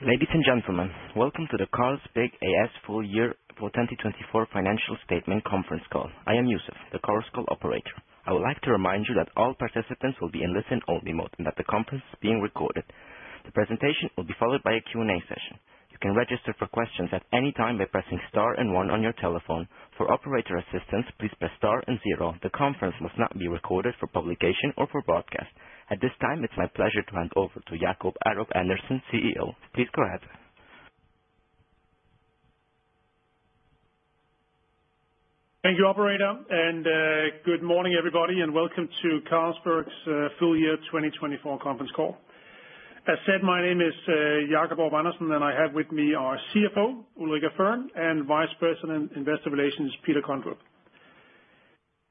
Ladies and gentlemen, welcome to the Carlsberg A/S full year for 2024 financial statement conference call. I am Yusuf, the Carlsberg operator. I would like to remind you that all participants will be in listen-only mode and that the conference is being recorded. The presentation will be followed by a Q&A session. You can register for questions at any time by pressing star and one on your telephone. For operator assistance, please press star and zero. The conference must not be recorded for publication or for broadcast. At this time, it's my pleasure to hand over to Jacob Aarup-Andersen, CEO. Please go ahead. Thank you, operator, and good morning, everybody, and welcome to Carlsberg's full year 2024 conference call. As said, my name is Jacob Aarup-Andersen, and I have with me our CFO, Ulrica Fearn, and Vice President of Investor Relations, Peter Kondrup.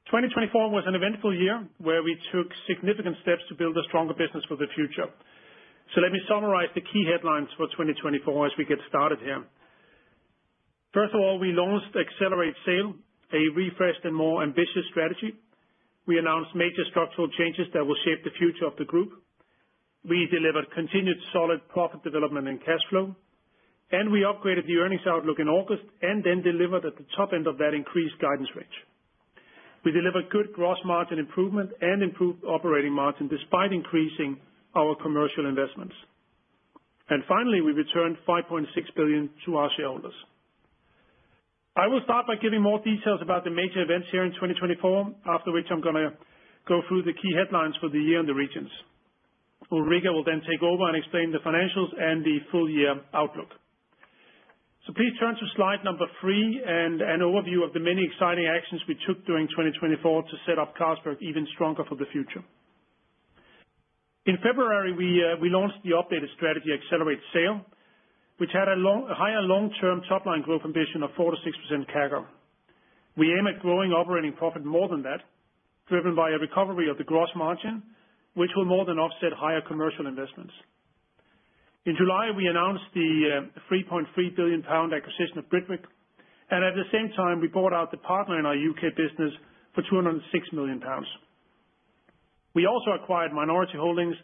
2024 was an eventful year where we took significant steps to build a stronger business for the future. Let me summarize the key headlines for 2024 as we get started here. First of all, we launched Accelerate SAIL, a refreshed and more ambitious strategy. We announced major structural changes that will shape the future of the group. We delivered continued solid profit development and cash flow, and we upgraded the earnings outlook in August and then delivered at the top end of that increased guidance range. We delivered good gross margin improvement and improved operating margin despite increasing our commercial investments. And finally, we returned 5.6 billion to our shareholders. I will start by giving more details about the major events here in 2024, after which I'm going to go through the key headlines for the year and the regions. Ulrica will then take over and explain the financials and the full year outlook. So please turn to slide number three and an overview of the many exciting actions we took during 2024 to set up Carlsberg even stronger for the future. In February, we launched the updated strategy, Accelerate SAIL, which had a higher long-term top-line growth ambition of 4%-6% CAGR. We aim at growing operating profit more than that, driven by a recovery of the gross margin, which will more than offset higher commercial investments. In July, we announced the 3.3 billion pound acquisition of Britvic, and at the same time, we bought out the partner in our U.K. business for 206 million pounds. We also acquired minority holdings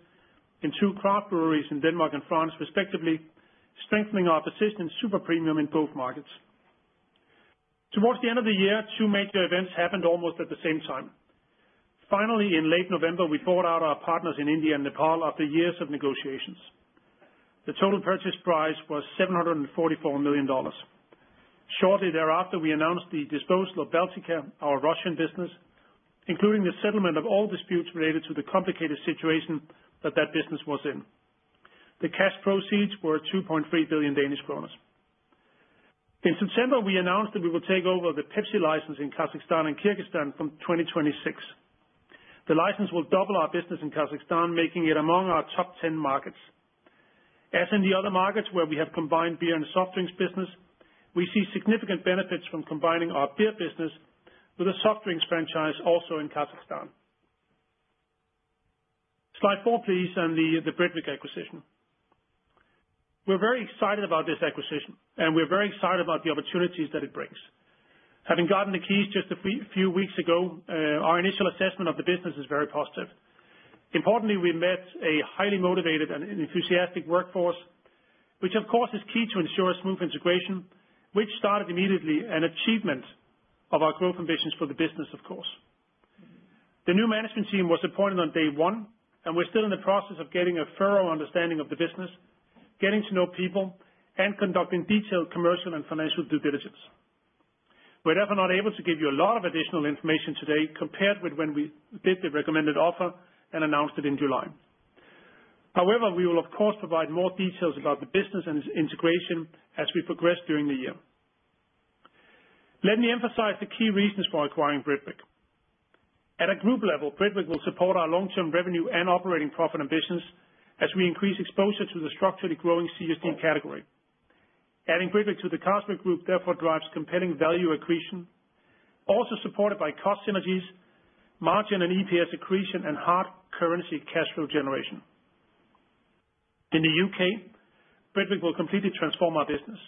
in two craft breweries in Denmark and France, respectively, strengthening our position in super premium in both markets. Towards the end of the year, two major events happened almost at the same time. Finally, in late November, we bought out our partners in India and Nepal after years of negotiations. The total purchase price was $744 million. Shortly thereafter, we announced the disposal of Baltika, our Russian business, including the settlement of all disputes related to the complicated situation that the business was in. The cash proceeds were 2.3 billion Danish kroner. In September, we announced that we will take over the Pepsi license in Kazakhstan and Kyrgyzstan from 2026. The license will double our business in Kazakhstan, making it among our top 10 markets. As in the other markets where we have combined beer and soft drinks business, we see significant benefits from combining our beer business with a soft drinks franchise also in Kazakhstan. Slide four, please, and the Britvic acquisition. We're very excited about this acquisition, and we're very excited about the opportunities that it brings. Having gotten the keys just a few weeks ago, our initial assessment of the business is very positive. Importantly, we met a highly motivated and enthusiastic workforce, which, of course, is key to ensure a smooth integration, which started immediately, an achievement of our growth ambitions for the business, of course. The new management team was appointed on day one, and we're still in the process of getting a thorough understanding of the business, getting to know people, and conducting detailed commercial and financial due diligence. We're therefore not able to give you a lot of additional information today compared with when we did the recommended offer and announced it in July. However, we will, of course, provide more details about the business and its integration as we progress during the year. Let me emphasize the key reasons for acquiring Britvic. At a group level, Britvic will support our long-term revenue and operating profit ambitions as we increase exposure to the structurally growing CSD category. Adding Britvic to the Carlsberg Group therefore drives compelling value accretion, also supported by cost synergies, margin and EPS accretion, and hard currency cash flow generation. In the U.K., Britvic will completely transform our business.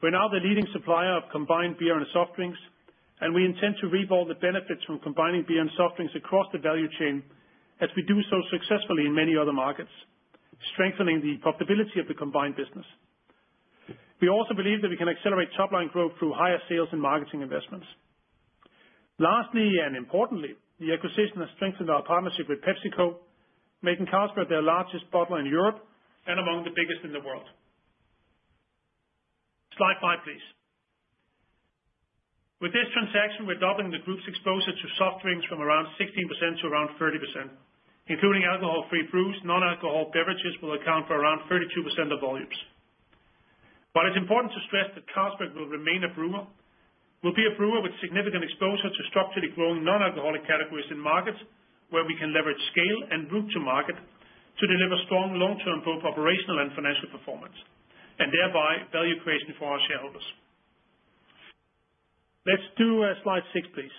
We're now the leading supplier of combined beer and soft drinks, and we intend to realize the benefits from combining beer and soft drinks across the value chain as we do so successfully in many other markets, strengthening the profitability of the combined business. We also believe that we can accelerate top-line growth through higher sales and marketing investments. Lastly, and importantly, the acquisition has strengthened our partnership with PepsiCo, making Carlsberg their largest bottler in Europe and among the biggest in the world. Slide five, please. With this transaction, we're doubling the group's exposure to soft drinks from around 16% to around 30%, including alcohol-free brews. Non-alcoholic beverages will account for around 32% of volumes. While it's important to stress that Carlsberg will remain a brewer, we'll be a brewer with significant exposure to structurally growing non-alcoholic categories in markets where we can leverage scale and route to market to deliver strong long-term both operational and financial performance, and thereby value creation for our shareholders. Let's do slide six, please.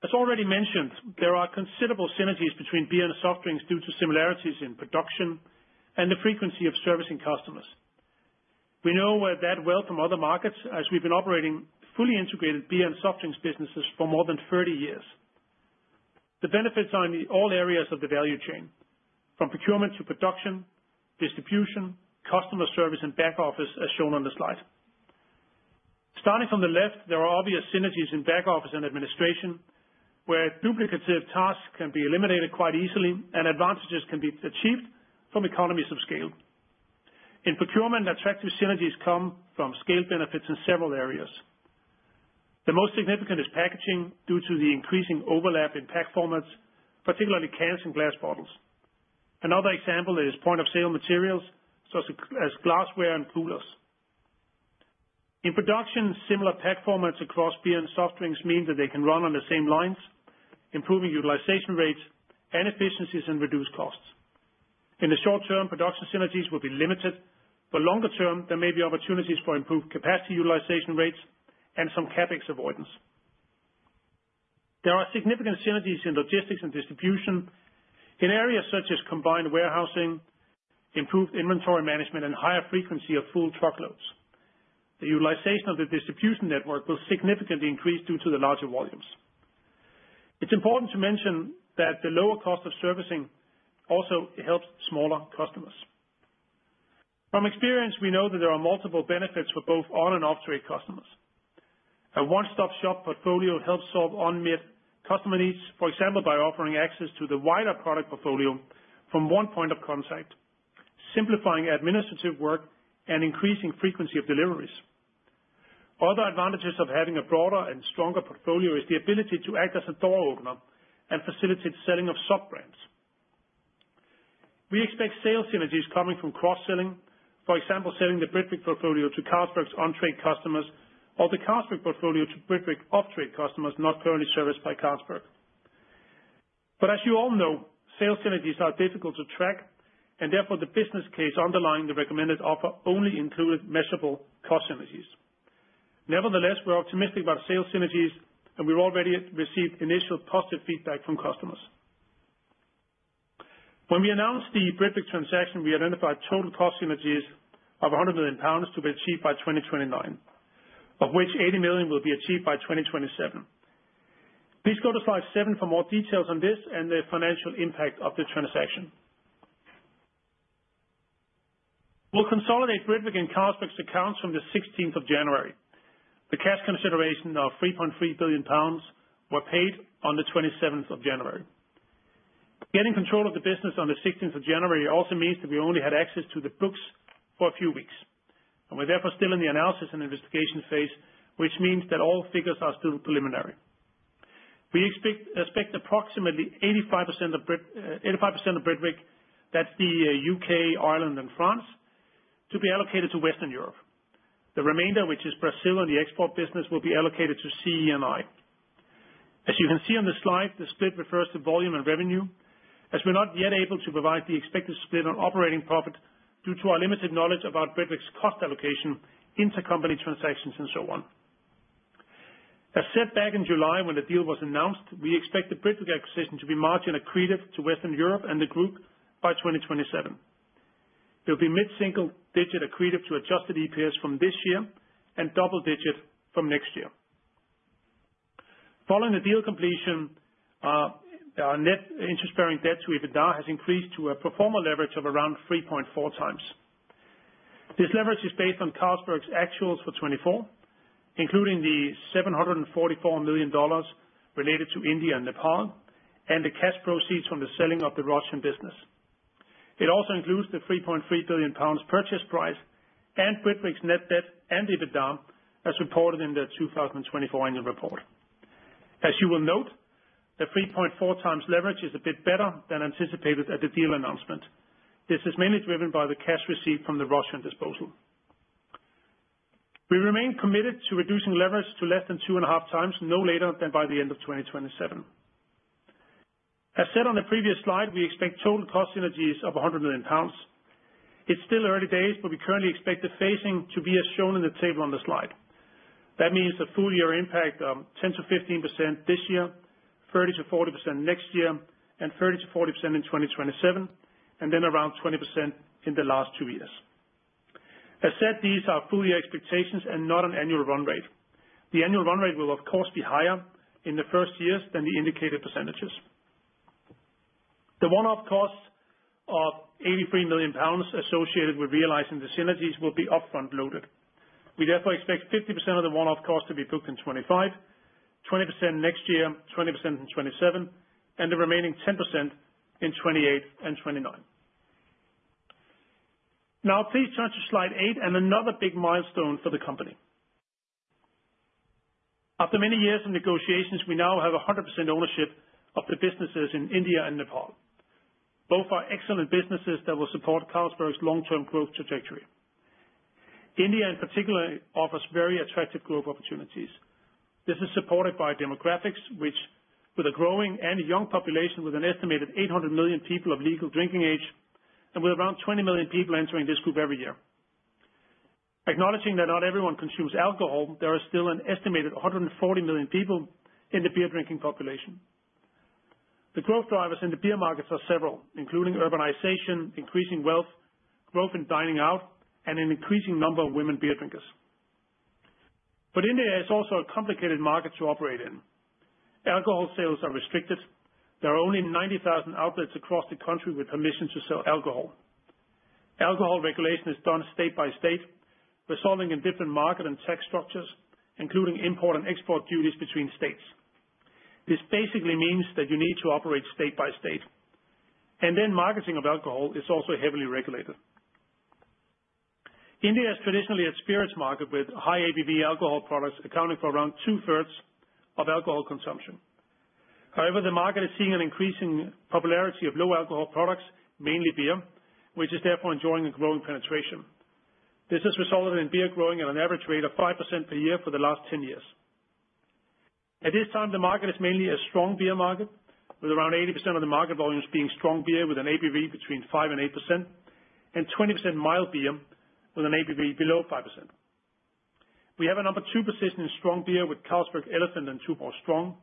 As already mentioned, there are considerable synergies between beer and soft drinks due to similarities in production and the frequency of servicing customers. We know that well from other markets as we've been operating fully integrated beer and soft drinks businesses for more than 30 years. The benefits are in all areas of the value chain, from procurement to production, distribution, customer service, and back office, as shown on the slide. Starting from the left, there are obvious synergies in back office and administration where duplicative tasks can be eliminated quite easily and advantages can be achieved from economies of scale. In procurement, attractive synergies come from scale benefits in several areas. The most significant is packaging due to the increasing overlap in pack formats, particularly cans and glass bottles. Another example is point-of-sale materials, such as glassware and coolers. In production, similar pack formats across beer and soft drinks mean that they can run on the same lines, improving utilization rates and efficiencies and reduce costs. In the short-term, production synergies will be limited, but longer-term, there may be opportunities for improved capacity utilization rates and some CapEx avoidance. There are significant synergies in logistics and distribution in areas such as combined warehousing, improved inventory management, and higher frequency of full truckloads. The utilization of the distribution network will significantly increase due to the larger volumes. It's important to mention that the lower cost of servicing also helps smaller customers. From experience, we know that there are multiple benefits for both on- and off-trade customers. A one-stop shop portfolio helps solve unmet customer needs, for example, by offering access to the wider product portfolio from one point of contact, simplifying administrative work and increasing frequency of deliveries. Other advantages of having a broader and stronger portfolio is the ability to act as a door opener and facilitate selling of sub-brands. We expect sales synergies coming from cross-selling, for example, selling the Britvic portfolio to Carlsberg's on-trade customers or the Carlsberg portfolio to Britvic off-trade customers not currently serviced by Carlsberg. But as you all know, sales synergies are difficult to track, and therefore the business case underlying the recommended offer only included measurable cost synergies. Nevertheless, we're optimistic about sales synergies, and we've already received initial positive feedback from customers. When we announced the Britvic transaction, we identified total cost synergies of 100 million pounds to be achieved by 2029, of which 80 million will be achieved by 2027. Please go to slide seven for more details on this and the financial impact of the transaction. We'll consolidate Britvic and Carlsberg's accounts from the 16th of January. The cash consideration of 3.3 billion pounds were paid on the 27th of January. Getting control of the business on the 16th of January also means that we only had access to the books for a few weeks, and we're therefore still in the analysis and investigation phase, which means that all figures are still preliminary. We expect approximately 85% of Britvic, that's the U.K., Ireland, and France, to be allocated to Western Europe. The remainder, which is Brazil and the export business, will be allocated to CE&I. As you can see on the slide, the split refers to volume and revenue, as we're not yet able to provide the expected split on operating profit due to our limited knowledge about Britvic's cost allocation, intercompany transactions, and so on. As said back in July when the deal was announced, we expect the Britvic acquisition to be margin accretive to Western Europe and the group by 2027. It will be mid-single-digit accretion to adjusted EPS from this year and double-digit from next year. Following the deal completion, our net interest-bearing debt to EBITDA has increased to a pro forma leverage of around 3.4x. This leverage is based on Carlsberg's actuals for 2024, including the $744 million related to India and Nepal and the cash proceeds from the selling of the Russian business. It also includes the 3.3 billion pounds purchase price and Britvic's net debt and EBITDA as reported in the 2024 annual report. As you will note, the 3.4x leverage is a bit better than anticipated at the deal announcement. This is mainly driven by the cash received from the Russian disposal. We remain committed to reducing leverage to less than 2.5x, no later than by the end of 2027. As said on the previous slide, we expect total cost synergies of 100 million pounds. It's still early days, but we currently expect the phasing to be as shown in the table on the slide. That means a full year impact of 10%-15% this year, 30%-40% next year, and 30%-40% in 2027, and then around 20% in the last two years. As said, these are full year expectations and not an annual run rate. The annual run rate will, of course, be higher in the first years than the indicated percentages. The one-off cost of 83 million pounds associated with realizing the synergies will be upfront loaded. We therefore expect 50% of the one-off cost to be booked in 2025, 20% next year, 20% in 2027, and the remaining 10% in 2028 and 2029. Now, please turn to slide eight and another big milestone for the company. After many years of negotiations, we now have 100% ownership of the businesses in India and Nepal. Both are excellent businesses that will support Carlsberg's long-term growth trajectory. India, in particular, offers very attractive growth opportunities. This is supported by demographics, which, with a growing and young population with an estimated 800 million people of legal drinking age and with around 20 million people entering this group every year. Acknowledging that not everyone consumes alcohol, there are still an estimated 140 million people in the beer drinking population. The growth drivers in the beer markets are several, including urbanization, increasing wealth, growth in dining out, and an increasing number of women beer drinkers. But India is also a complicated market to operate in. Alcohol sales are restricted. There are only 90,000 outlets across the country with permission to sell alcohol. Alcohol regulation is done state by state, resulting in different market and tax structures, including import and export duties between states. This basically means that you need to operate state by state. And then marketing of alcohol is also heavily regulated. India is traditionally a spirits market with high ABV alcohol products accounting for around two-thirds of alcohol consumption. However, the market is seeing an increasing popularity of low alcohol products, mainly beer, which is therefore enjoying a growing penetration. This has resulted in beer growing at an average rate of 5% per year for the last 10 years. At this time, the market is mainly a strong beer market, with around 80% of the market volumes being strong beer with an ABV between 5%-8%, and 20% mild beer with an ABV below 5%. We have a number two position in strong beer with Carlsberg Elephant and Tuborg Strong.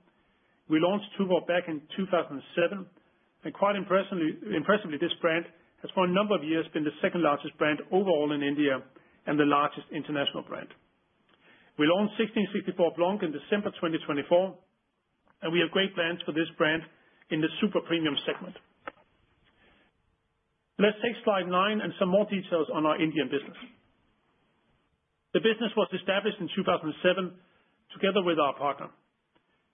We launched Tuborg back in 2007, and quite impressively, this brand has for a number of years been the second largest brand overall in India and the largest international brand. We launched 1664 Blanc in December 2024, and we have great brands for this brand in the super premium segment. Let's take slide nine and some more details on our Indian business. The business was established in 2007 together with our partner.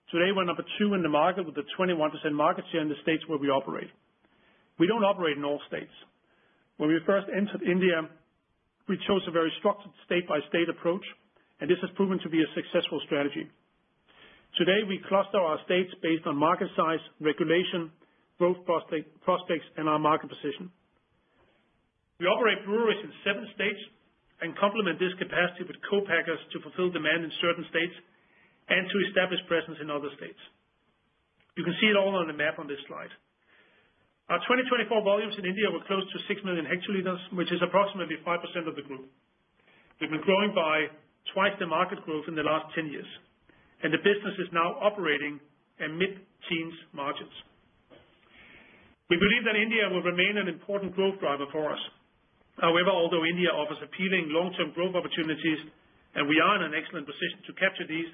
Today, we're number two in the market with a 21% market share in the states where we operate. We don't operate in all states. When we first entered India, we chose a very structured state-by-state approach, and this has proven to be a successful strategy. Today, we cluster our states based on market size, regulation, growth prospects, and our market position. We operate breweries in seven states and complement this capacity with co-packers to fulfill demand in certain states and to establish presence in other states. You can see it all on the map on this slide. Our 2024 volumes in India were close to 6 million hectoliters, which is approximately 5% of the group. We've been growing by twice the market growth in the last 10 years, and the business is now operating at mid-teens margins. We believe that India will remain an important growth driver for us. However, although India offers appealing long-term growth opportunities and we are in an excellent position to capture these,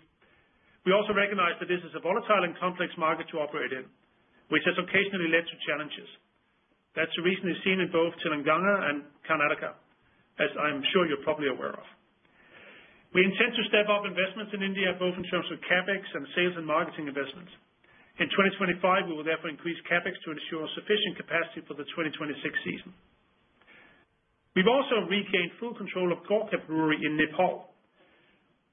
we also recognize that this is a volatile and complex market to operate in, which has occasionally led to challenges. That's a reason we've seen in both Telangana and Karnataka, as I'm sure you're probably aware of. We intend to step up investments in India, both in terms of CapEx and sales and marketing investments. In 2025, we will therefore increase CapEx to ensure sufficient capacity for the 2026 season. We've also regained full control of Gorkha Brewery in Nepal.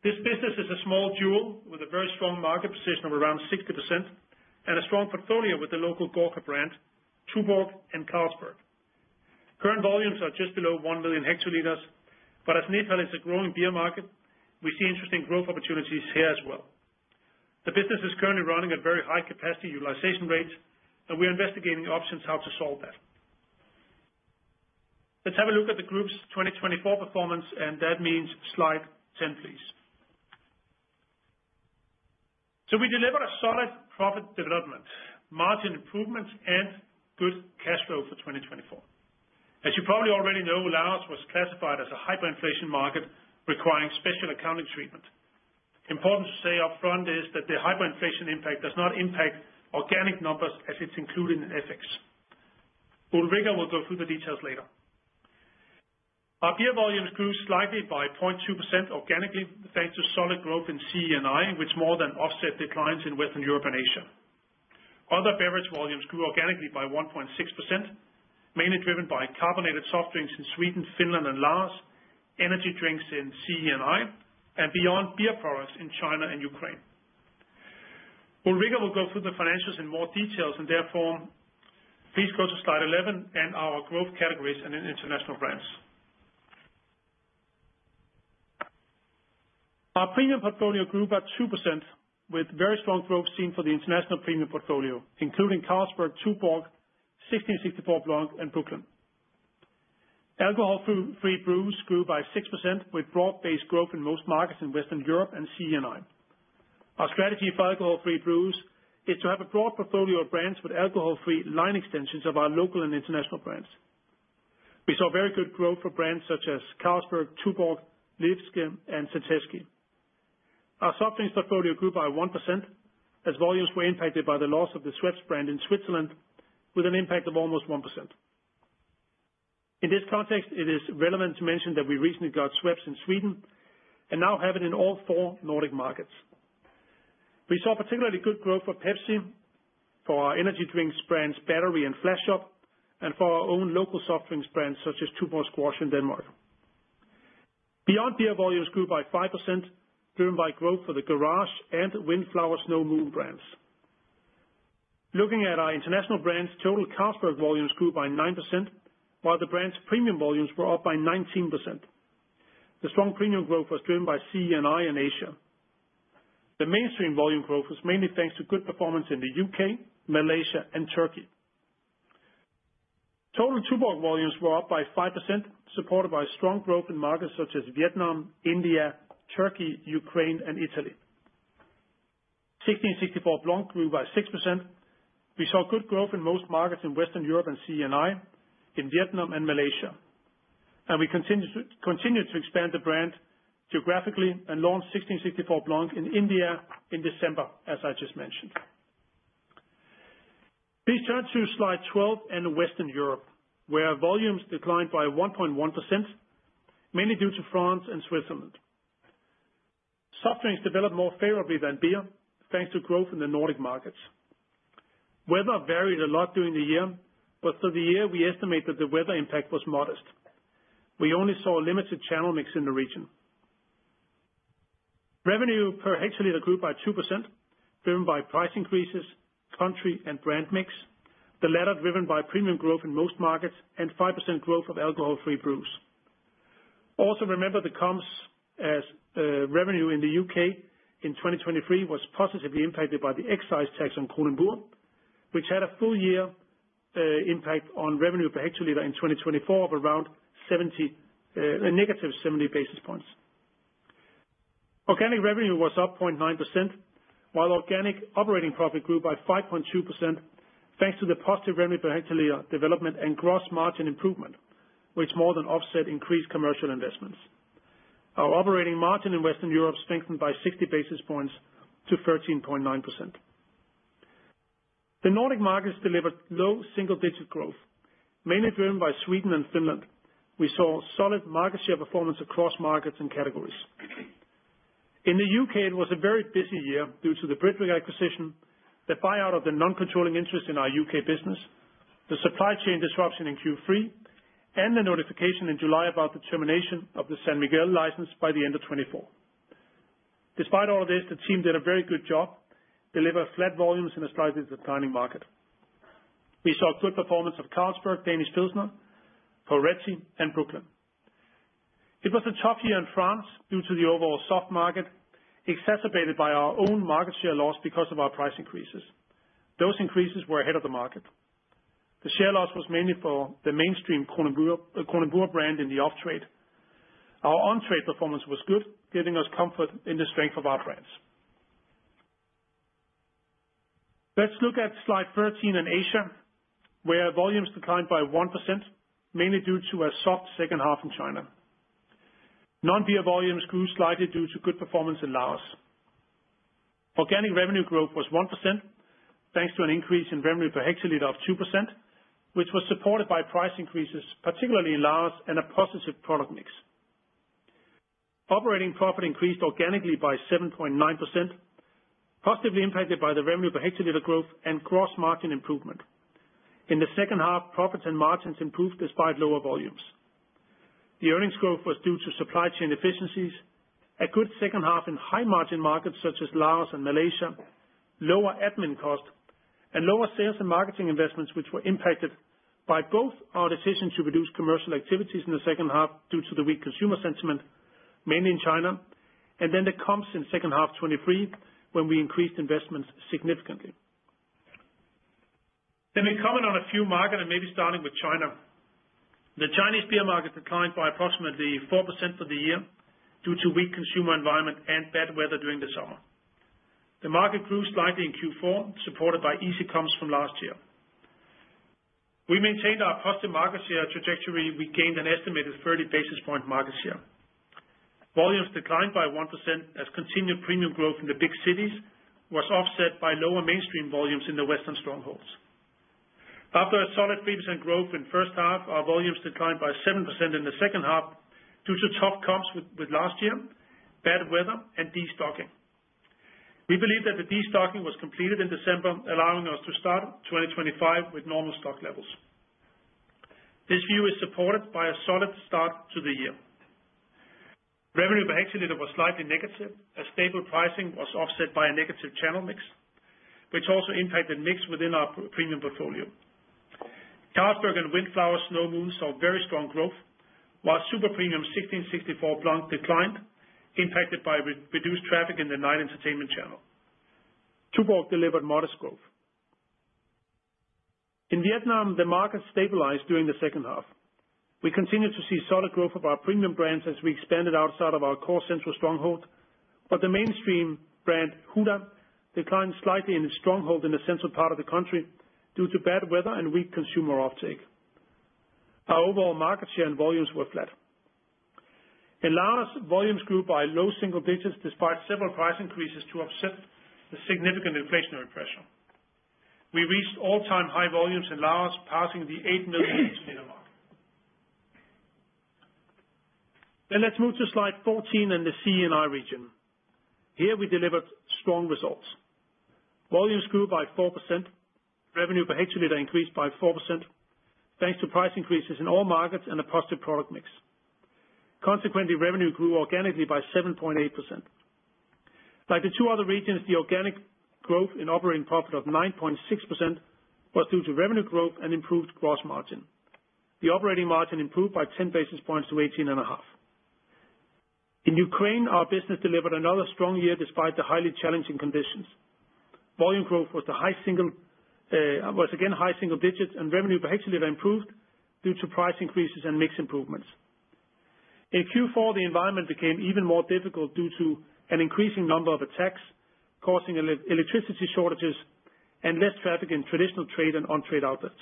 This business is a small jewel with a very strong market position of around 60% and a strong portfolio with the local Gorkha brand, Tuborg, and Carlsberg. Current volumes are just below 1 million hectoliters, but as Nepal is a growing beer market, we see interesting growth opportunities here as well. The business is currently running at very high capacity utilization rates, and we're investigating options how to solve that. Let's have a look at the group's 2024 performance, and that means slide 10, please. So we delivered a solid profit development, margin improvements, and good cash flow for 2024. As you probably already know, Laos was classified as a hyperinflation market requiring special accounting treatment. Important to say upfront is that the hyperinflation impact does not impact organic numbers as it's included in FX. Ulrica will go through the details later. Our beer volumes grew slightly by 0.2% organically thanks to solid growth in CE&I, which more than offset declines in Western Europe and Asia. Other beverage volumes grew organically by 1.6%, mainly driven by carbonated soft drinks in Sweden, Finland, and Laos, energy drinks in CE&I, and beyond beer products in China and Ukraine. Ulrica will go through the financials in more detail, and therefore, please go to slide 11 and our growth categories and international brands. Our premium portfolio grew by 2% with very strong growth seen for the international premium portfolio, including Carlsberg, Tuborg, 1664 Blanc, and Brooklyn. Alcohol-free brews grew by 6% with broad-based growth in most markets in Western Europe and CE&I. Our strategy for alcohol-free brews is to have a broad portfolio of brands with alcohol-free line extensions of our local and international brands. We saw very good growth for brands such as Carlsberg, Tuborg, Lvivske, and Zatecky Gus. Our soft drinks portfolio grew by 1% as volumes were impacted by the loss of the Schweppes brand in Switzerland, with an impact of almost 1%. In this context, it is relevant to mention that we recently got Schweppes in Sweden and now have it in all four Nordic markets. We saw particularly good growth for Pepsi, for our energy drinks brands Battery and Flash Up, and for our own local soft drinks brands such as Tuborg Squash in Denmark. Beyond beer volumes grew by 5%, driven by growth for the Garage and Wind Flower Snow Moon brands. Looking at our international brands, total Carlsberg volumes grew by 9%, while the brand's premium volumes were up by 19%. The strong premium growth was driven by CE&I in Asia. The mainstream volume growth was mainly thanks to good performance in the U.K., Malaysia, and Turkey. Total Tuborg volumes were up by 5%, supported by strong growth in markets such as Vietnam, India, Turkey, Ukraine, and Italy. 1664 Blanc grew by 6%. We saw good growth in most markets in Western Europe and CE&I, in Vietnam and Malaysia, and we continued to expand the brand geographically and launched 1664 Blanc in India in December, as I just mentioned. Please turn to slide 12 and Western Europe, where volumes declined by 1.1%, mainly due to France and Switzerland. Soft drinks developed more favorably than beer thanks to growth in the Nordic markets. Weather varied a lot during the year, but for the year, we estimate that the weather impact was modest. We only saw limited channel mix in the region. Revenue per hectoliter grew by 2%, driven by price increases, country, and brand mix, the latter driven by premium growth in most markets and 5% growth of alcohol-free brews. Also, remember the company's revenue in the U.K. in 2023 was positively impacted by the excise tax on Kronenbourg, which had a full year impact on revenue per hectoliter in 2024 of around -70 basis points. Organic revenue was up 0.9%, while organic operating profit grew by 5.2% thanks to the positive revenue per hectoliter development and gross margin improvement, which more than offset increased commercial investments. Our operating margin in Western Europe strengthened by 60 basis points to 13.9%. The Nordic markets delivered low single-digit growth, mainly driven by Sweden and Finland. We saw solid market share performance across markets and categories. In the U.K., it was a very busy year due to the Britvic acquisition, the buyout of the non-controlling interest in our U.K. business, the supply chain disruption in Q3, and the notification in July about the termination of the San Miguel license by the end of 2024. Despite all of this, the team did a very good job, delivered flat volumes in a slightly declining market. We saw good performance of Carlsberg Danish Pilsner, Poretti, and Brooklyn. It was a tough year in France due to the overall soft market, exacerbated by our own market share loss because of our price increases. Those increases were ahead of the market. The share loss was mainly for the mainstream Kronenbourg brand in the off-trade. Our on-trade performance was good, giving us comfort in the strength of our brands. Let's look at slide 13 and Asia, where volumes declined by 1%, mainly due to a soft second half in China. Non-beer volumes grew slightly due to good performance in Laos. Organic revenue growth was 1% thanks to an increase in revenue per hectoliter of 2%, which was supported by price increases, particularly in Laos, and a positive product mix. Operating profit increased organically by 7.9%, positively impacted by the revenue per hectoliter growth and gross margin improvement. In the second half, profits and margins improved despite lower volumes. The earnings growth was due to supply chain efficiencies, a good second half in high-margin markets such as Laos and Malaysia, lower admin cost, and lower sales and marketing investments, which were impacted by both our decision to reduce commercial activities in the second half due to the weak consumer sentiment, mainly in China, and then the comps in second half 2023 when we increased investments significantly. Let me comment on a few markets, and maybe starting with China. The Chinese beer market declined by approximately 4% for the year due to weak consumer environment and bad weather during the summer. The market grew slightly in Q4, supported by easy comps from last year. We maintained our positive market share trajectory. We gained an estimated 30 basis points market share. Volumes declined by 1% as continued premium growth in the big cities was offset by lower mainstream volumes in the Western strongholds. After a solid 3% growth in the first half, our volumes declined by 7% in the second half due to tough comps with last year, bad weather, and destocking. We believe that the destocking was completed in December, allowing us to start 2025 with normal stock levels. This view is supported by a solid start to the year. Revenue per hectoliter was slightly negative. A stable pricing was offset by a negative channel mix, which also impacted mix within our premium portfolio. Carlsberg and Wind Flower Snow Moon saw very strong growth, while super premium 1664 Blanc declined, impacted by reduced traffic in the night entertainment channel. Tuborg delivered modest growth. In Vietnam, the market stabilized during the second half. We continued to see solid growth of our premium brands as we expanded outside of our core central stronghold, but the mainstream brand Huda declined slightly in its stronghold in the central part of the country due to bad weather and weak consumer offtake. Our overall market share and volumes were flat. In Laos, volumes grew by low single digits despite several price increases to offset the significant inflationary pressure. We reached all-time high volumes in Laos, passing the 8 million hectoliter mark. Then let's move to slide 14 and the CE&I region. Here, we delivered strong results. Volumes grew by 4%. Revenue per hectoliter increased by 4% thanks to price increases in all markets and a positive product mix. Consequently, revenue grew organically by 7.8%. Like the two other regions, the organic growth in operating profit of 9.6% was due to revenue growth and improved gross margin. The operating margin improved by 10 basis points to 18.5%. In Ukraine, our business delivered another strong year despite the highly challenging conditions. Volume growth was again high single digits, and revenue per hectoliter improved due to price increases and mix improvements. In Q4, the environment became even more difficult due to an increasing number of attacks causing electricity shortages and less traffic in traditional trade and on-trade outlets.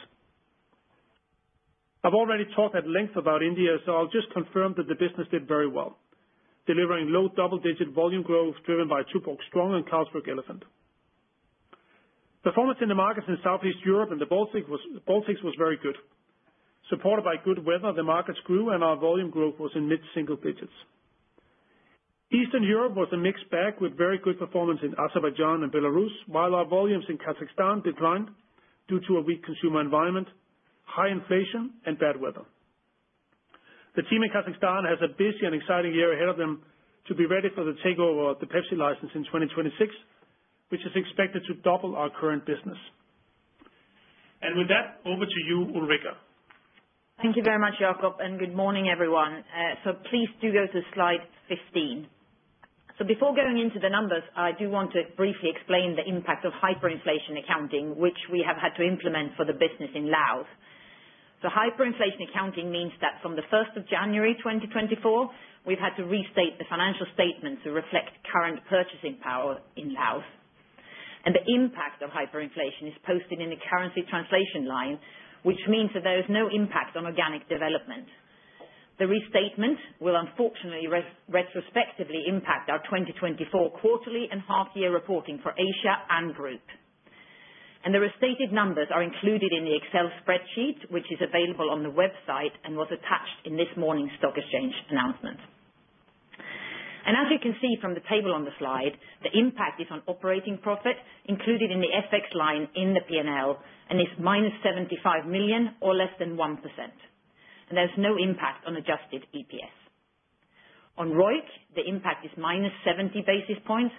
I've already talked at length about India, so I'll just confirm that the business did very well, delivering low double-digit volume growth driven by Tuborg Strong and Carlsberg Elephant. Performance in the markets in Southeast Europe and the Baltics was very good. Supported by good weather, the markets grew, and our volume growth was in mid-single digits. Eastern Europe was a mixed bag with very good performance in Azerbaijan and Belarus, while our volumes in Kazakhstan declined due to a weak consumer environment, high inflation, and bad weather. The team in Kazakhstan has a busy and exciting year ahead of them to be ready for the takeover of the Pepsi license in 2026, which is expected to double our current business. With that, over to you, Ulrica. Thank you very much, Jacob, and good morning, everyone. Please do go to slide 15. Before going into the numbers, I do want to briefly explain the impact of hyperinflation accounting, which we have had to implement for the business in Laos. Hyperinflation accounting means that from the 1st of January 2024, we've had to restate the financial statements to reflect current purchasing power in Laos. The impact of hyperinflation is posted in the currency translation line, which means that there is no impact on organic development. The restatement will unfortunately retrospectively impact our 2024 quarterly and half-year reporting for Asia and Group. The restated numbers are included in the Excel spreadsheet, which is available on the website and was attached in this morning's stock exchange announcement. As you can see from the table on the slide, the impact is on operating profit included in the FX line in the P&L, and it's -75 million or less than 1%. There's no impact on Adjusted EPS. On ROIC, the impact is -70 basis points,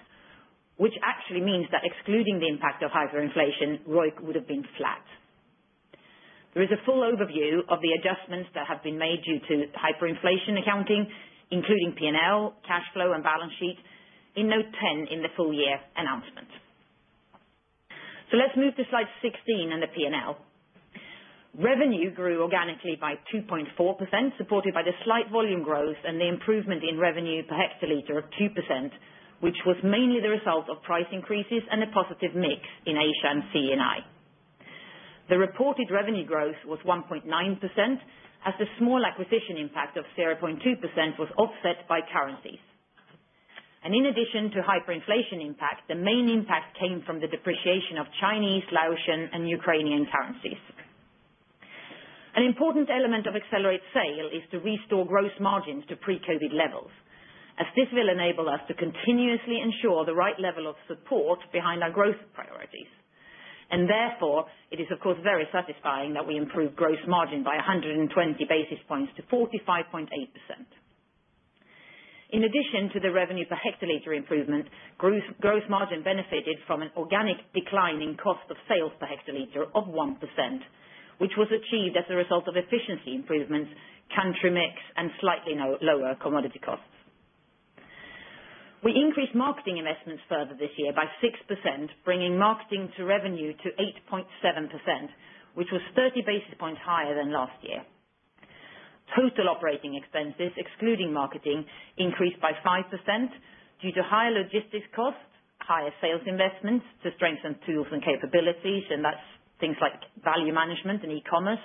which actually means that excluding the impact of hyperinflation, ROIC would have been flat. There is a full overview of the adjustments that have been made due to hyperinflation accounting, including P&L, cash flow, and balance sheet in note 10 in the full year announcement. Let's move to slide 16 and the P&L. Revenue grew organically by 2.4%, supported by the slight volume growth and the improvement in revenue per hectoliter of 2%, which was mainly the result of price increases and a positive mix in Asia and CE&I. The reported revenue growth was 1.9%, as the small acquisition impact of 0.2% was offset by currencies. In addition to hyperinflation impact, the main impact came from the depreciation of Chinese, Laotian, and Ukrainian currencies. An important element of Accelerate SAIL is to restore gross margins to pre-COVID levels, as this will enable us to continuously ensure the right level of support behind our growth priorities. Therefore, it is, of course, very satisfying that we improved gross margin by 120 basis points to 45.8%. In addition to the revenue per hectoliter improvement, gross margin benefited from an organic decline in cost of sales per hectoliter of 1%, which was achieved as a result of efficiency improvements, country mix, and slightly lower commodity costs. We increased marketing investments further this year by 6%, bringing marketing to revenue to 8.7%, which was 30 basis points higher than last year. Total operating expenses, excluding marketing, increased by 5% due to higher logistics costs, higher sales investments to strengthen tools and capabilities, and that's things like value management and e-commerce,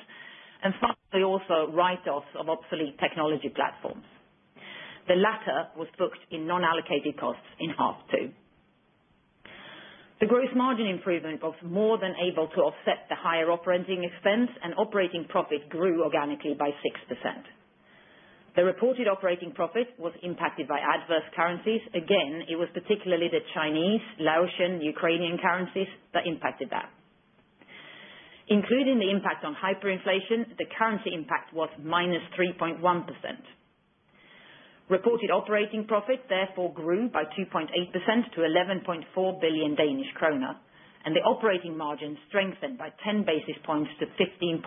and finally also write-offs of obsolete technology platforms. The latter was booked in non-allocated costs in half two. The gross margin improvement was more than able to offset the higher operating expense, and operating profit grew organically by 6%. The reported operating profit was impacted by adverse currencies. Again, it was particularly the Chinese, Laotian, and Ukrainian currencies that impacted that. Including the impact on hyperinflation, the currency impact was -3.1%. Reported operating profit, therefore, grew by 2.8% to 11.4 billion Danish kroner, and the operating margin strengthened by 10 basis points to 15.2%.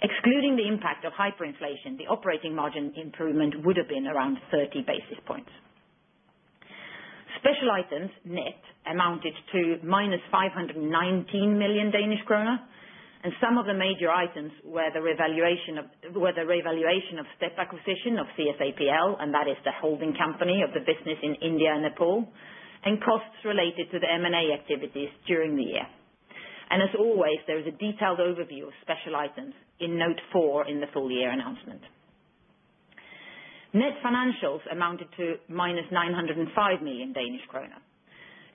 Excluding the impact of hyperinflation, the operating margin improvement would have been around 30 basis points. Special items, net, amounted to -519 million Danish kroner, and some of the major items were the revaluation of step acquisition of CSAPL, and that is the holding company of the business in India and Nepal, and costs related to the M&A activities during the year, and as always, there is a detailed overview of special items in note four in the full year announcement. Net financials amounted to -905 million Danish kroner.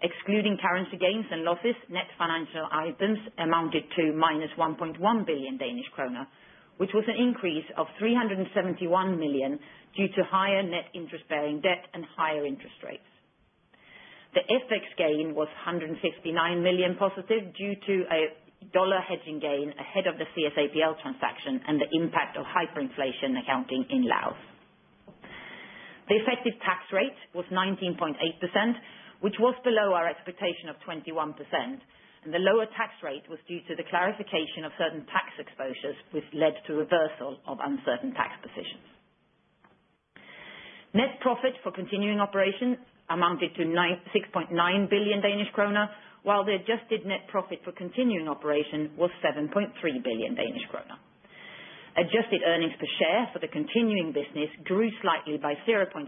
Excluding currency gains and losses, net financial items amounted to -1.1 billion Danish kroner, which was an increase of 371 million due to higher net interest-bearing debt and higher interest rates. The FX gain was 159 million positive due to a dollar hedging gain ahead of the CSAPL transaction and the impact of hyperinflation accounting in Laos. The effective tax rate was 19.8%, which was below our expectation of 21%, and the lower tax rate was due to the clarification of certain tax exposures, which led to reversal of uncertain tax positions. Net profit for continuing operation amounted to 6.9 billion Danish kroner, while the adjusted net profit for continuing operation was 7.3 billion Danish kroner. Adjusted earnings per share for the continuing business grew slightly by 0.6%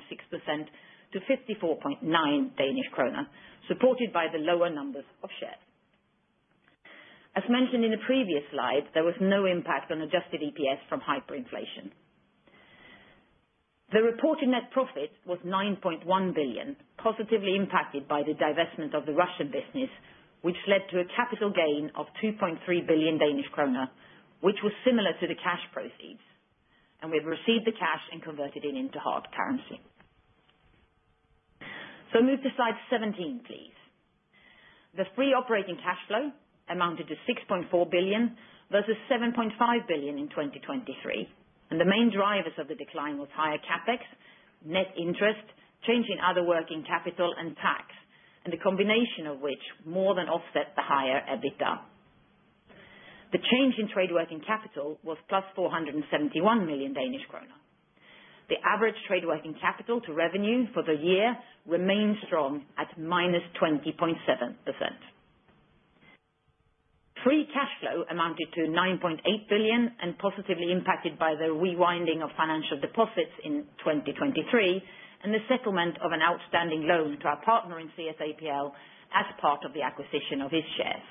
to 54.9 Danish kroner, supported by the lower numbers of shares. As mentioned in the previous slide, there was no impact on adjusted EPS from hyperinflation. The reported net profit was 9.1 billion, positively impacted by the divestment of the Russian business, which led to a capital gain of 2.3 billion Danish kroner, which was similar to the cash proceeds. We've received the cash and converted it into hard currency. Move to slide 17, please. The free operating cash flow amounted to 6.4 billion versus 7.5 billion in 2023, and the main drivers of the decline were higher CapEx, net interest, change in other working capital, and tax, and the combination of which more than offset the higher EBITDA. The change in trade working capital was +471 million Danish kroner. The average trade working capital to revenue for the year remained strong at -20.7%. Free cash flow amounted to 9.8 billion and positively impacted by the rewinding of financial deposits in 2023 and the settlement of an outstanding loan to our partner in CSAPL as part of the acquisition of his shares.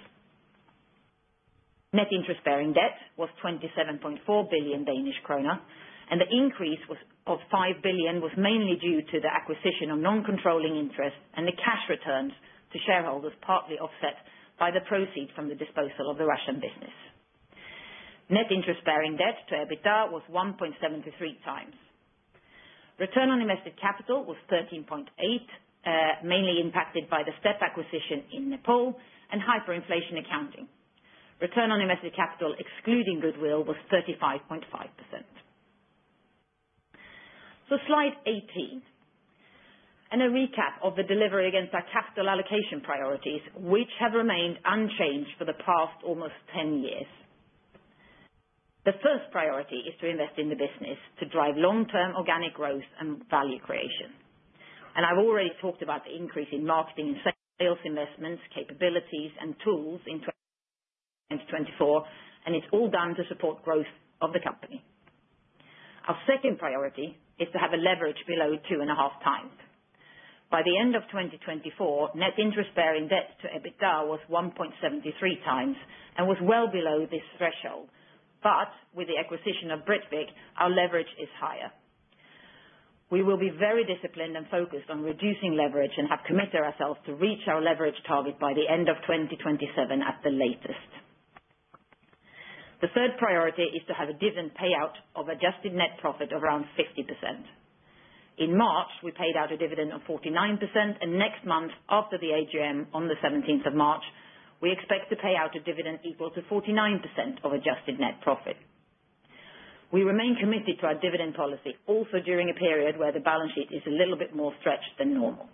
Net interest-bearing debt was 27.4 billion Danish krone, and the increase of 5 billion was mainly due to the acquisition of non-controlling interest and the cash returns to shareholders partly offset by the proceeds from the disposal of the Russian business. Net interest-bearing debt to EBITDA was 1.73x. Return on invested capital was 13.8%, mainly impacted by the step acquisition in Nepal and hyperinflation accounting. Return on invested capital excluding goodwill was 35.5%. So slide 18 and a recap of the delivery against our capital allocation priorities, which have remained unchanged for the past almost 10 years. The first priority is to invest in the business to drive long-term organic growth and value creation, and I've already talked about the increase in marketing and sales investments, capabilities, and tools in 2024, and it's all done to support growth of the company. Our second priority is to have a leverage below 2.5x. By the end of 2024, net interest-bearing debt to EBITDA was 1.73x and was well below this threshold, but with the acquisition of Britvic, our leverage is higher. We will be very disciplined and focused on reducing leverage and have committed ourselves to reach our leverage target by the end of 2027 at the latest. The third priority is to have a dividend payout of adjusted net profit of around 50%. In March, we paid out a dividend of 49%, and next month, after the AGM on the 17th of March, we expect to pay out a dividend equal to 49% of adjusted net profit. We remain committed to our dividend policy also during a period where the balance sheet is a little bit more stretched than normal.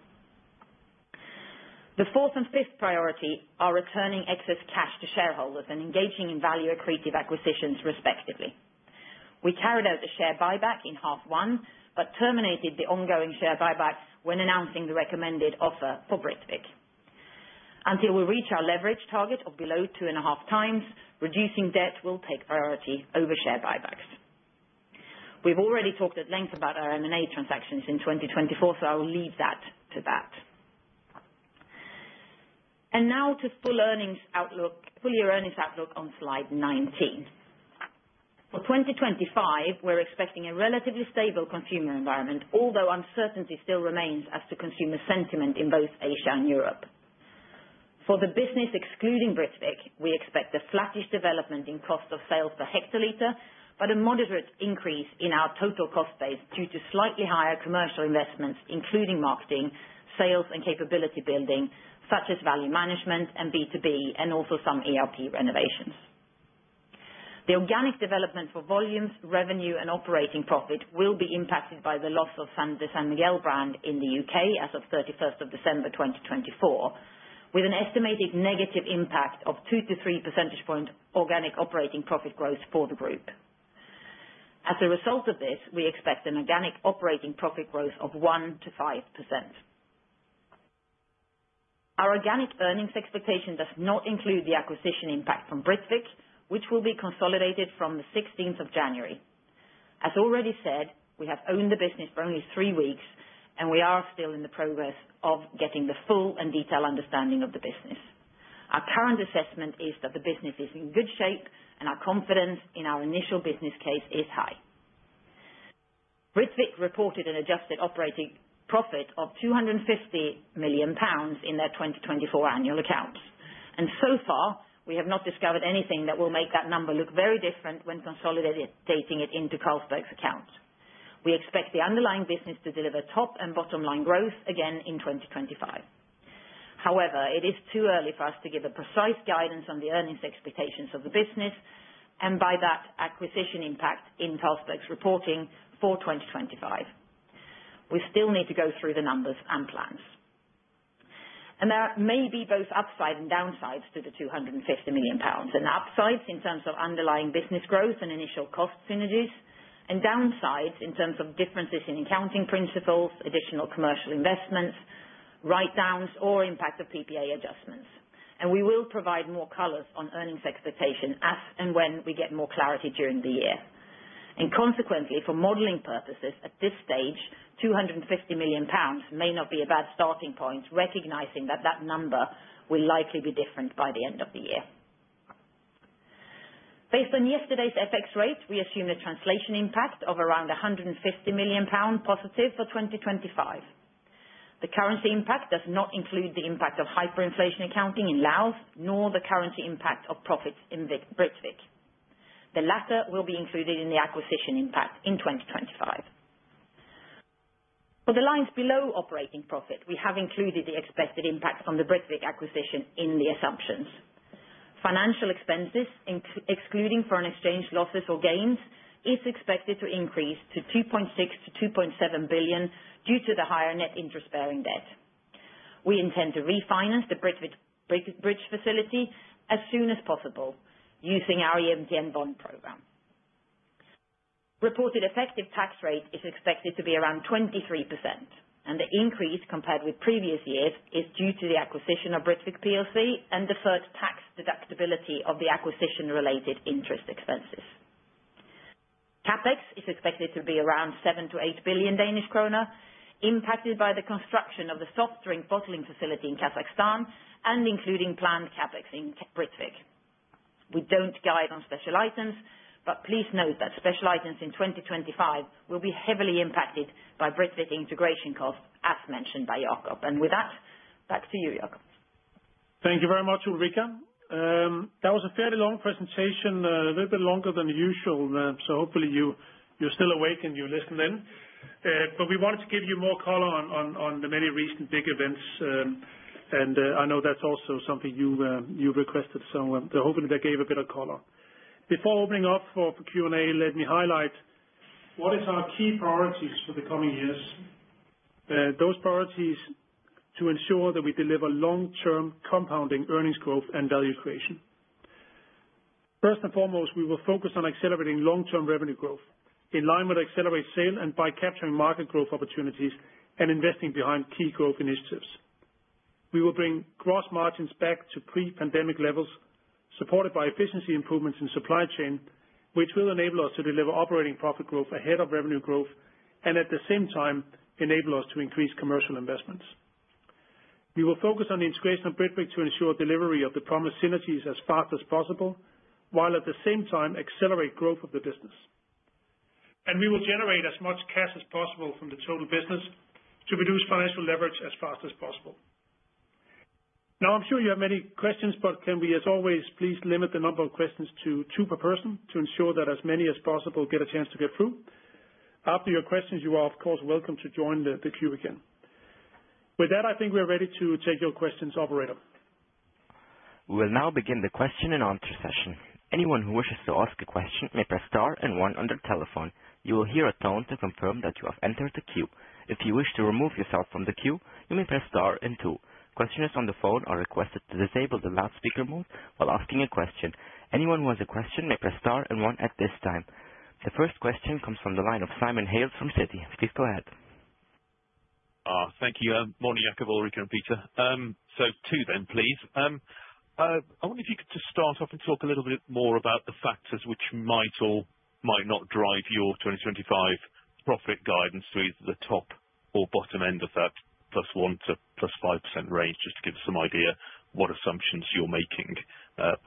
The fourth and fifth priority are returning excess cash to shareholders and engaging in value-accretive acquisitions, respectively. We carried out the share buyback in half one, but terminated the ongoing share buyback when announcing the recommended offer for Britvic. Until we reach our leverage target of below 2.5x, reducing debt will take priority over share buybacks. We've already talked at length about our M&A transactions in 2024, so I will leave that to that. And now to full year earnings outlook on slide 19. For 2025, we're expecting a relatively stable consumer environment, although uncertainty still remains as to consumer sentiment in both Asia and Europe. For the business excluding Britvic, we expect a flattish development in cost of sales per hectoliter, but a moderate increase in our total cost base due to slightly higher commercial investments, including marketing, sales, and capability building, such as value management and B2B, and also some ERP renovations. The organic development for volumes, revenue, and operating profit will be impacted by the loss of the San Miguel brand in the U.K. as of 31st of December 2024, with an estimated negative impact of 2-3 percentage points organic operating profit growth for the group. As a result of this, we expect an organic operating profit growth of 1%-5%. Our organic earnings expectation does not include the acquisition impact from Britvic, which will be consolidated from the 16th of January. As already said, we have owned the business for only three weeks, and we are still in the process of getting the full and detailed understanding of the business. Our current assessment is that the business is in good shape, and our confidence in our initial business case is high. Britvic reported an adjusted operating profit of 250 million pounds in their 2024 annual accounts, and so far, we have not discovered anything that will make that number look very different when consolidating it into Carlsberg's accounts. We expect the underlying business to deliver top and bottom line growth again in 2025. However, it is too early for us to give a precise guidance on the earnings expectations of the business and by that acquisition impact in Carlsberg's reporting for 2025. We still need to go through the numbers and plans. There may be both upside and downsides to the 250 million pounds, and upsides in terms of underlying business growth and initial cost synergies, and downsides in terms of differences in accounting principles, additional commercial investments, write-downs, or impact of PPA adjustments. We will provide more colors on earnings expectation as and when we get more clarity during the year. Consequently, for modeling purposes at this stage, 250 million pounds may not be a bad starting point, recognizing that that number will likely be different by the end of the year. Based on yesterday's FX rate, we assume a translation impact of around 150 million pound positive for 2025. The currency impact does not include the impact of hyperinflation accounting in Laos, nor the currency impact of profits in Britvic. The latter will be included in the acquisition impact in 2025. For the lines below operating profit, we have included the expected impact from the Britvic acquisition in the assumptions. Financial expenses, excluding foreign exchange losses or gains, is expected to increase to 2.6 billion-2.7 billion due to the higher net interest-bearing debt. We intend to refinance the Britvic bridge facility as soon as possible using our EMTN bond program. Reported effective tax rate is expected to be around 23%, and the increase compared with previous years is due to the acquisition of Britvic PLC and deferred tax deductibility of the acquisition-related interest expenses. CapEx is expected to be around 7 billion-8 billion Danish kroner, impacted by the construction of the soft drink bottling facility in Kazakhstan and including planned CapEx in Britvic. We don't guide on special items, but please note that special items in 2025 will be heavily impacted by Britvic integration costs, as mentioned by Jacob. With that, back to you, Jacob. Thank you very much, Ulrica. That was a fairly long presentation, a little bit longer than usual, so hopefully you're still awake and you're listening in. We wanted to give you more color on the many recent big events, and I know that's also something you requested, so hopefully that gave a bit of color. Before opening up for Q&A, let me highlight what are our key priorities for the coming years. Those priorities are to ensure that we deliver long-term compounding earnings growth and value creation. First and foremost, we will focus on accelerating long-term revenue growth in line with Accelerate SAIL by capturing market growth opportunities and investing behind key growth initiatives. We will bring gross margins back to pre-pandemic levels, supported by efficiency improvements in supply chain, which will enable us to deliver operating profit growth ahead of revenue growth and at the same time enable us to increase commercial investments. We will focus on the integration of Britvic to ensure delivery of the promised synergies as fast as possible, while at the same time accelerate growth of the business, and we will generate as much cash as possible from the total business to reduce financial leverage as fast as possible. Now, I'm sure you have many questions, but can we, as always, please limit the number of questions to two per person to ensure that as many as possible get a chance to get through? After your questions, you are, of course, welcome to join the queue again. With that, I think we are ready to take your questions, operator. We will now begin the question and answer session. Anyone who wishes to ask a question may press star and one on the telephone. You will hear a tone to confirm that you have entered the queue. If you wish to remove yourself from the queue, you may press star and two. Questioners on the phone are requested to disable the loudspeaker mode while asking a question. Anyone who has a question may press star and one at this time. The first question comes from the line of Simon Hales from Citi. Please go ahead. Thank you. Morning, Jacob, Ulrica, and Peter. So, two then, please. I wonder if you could just start off and talk a little bit more about the factors which might or might not drive your 2025 profit guidance to either the top or bottom end of that +1% to +5% range, just to give us some idea what assumptions you're making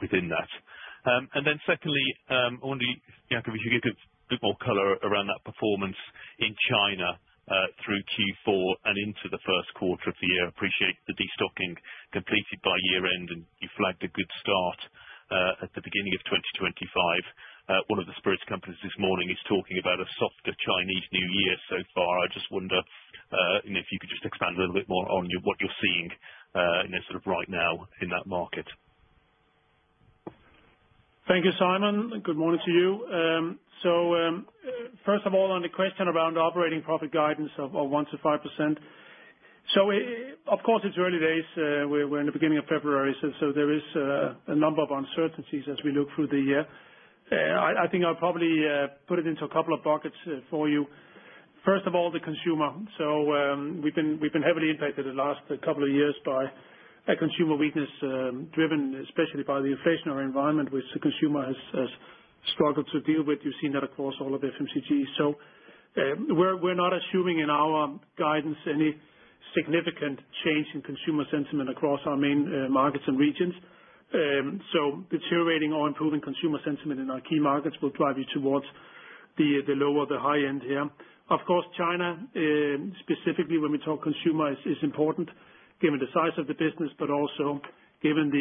within that. And then secondly, I wonder if you could give a bit more color around that performance in China through Q4 and into the first quarter of the year. I appreciate the destocking completed by year-end, and you flagged a good start at the beginning of 2025. One of the spirits companies this morning is talking about a softer Chinese New Year so far. I just wonder if you could just expand a little bit more on what you're seeing sort of right now in that market. Thank you, Simon. Good morning to you, so first of all, on the question around operating profit guidance of 1%-5%, so of course, it's early days. We're in the beginning of February, so there is a number of uncertainties as we look through the year. I think I'll probably put it into a couple of buckets for you. First of all, the consumer. So we've been heavily impacted the last couple of years by consumer weakness driven, especially by the inflationary environment, which the consumer has struggled to deal with. You've seen that across all of the FMCG. So we're not assuming in our guidance any significant change in consumer sentiment across our main markets and regions. Deteriorating or improving consumer sentiment in our key markets will drive you towards the lower or the high end here. Of course, China, specifically when we talk consumer, is important given the size of the business, but also given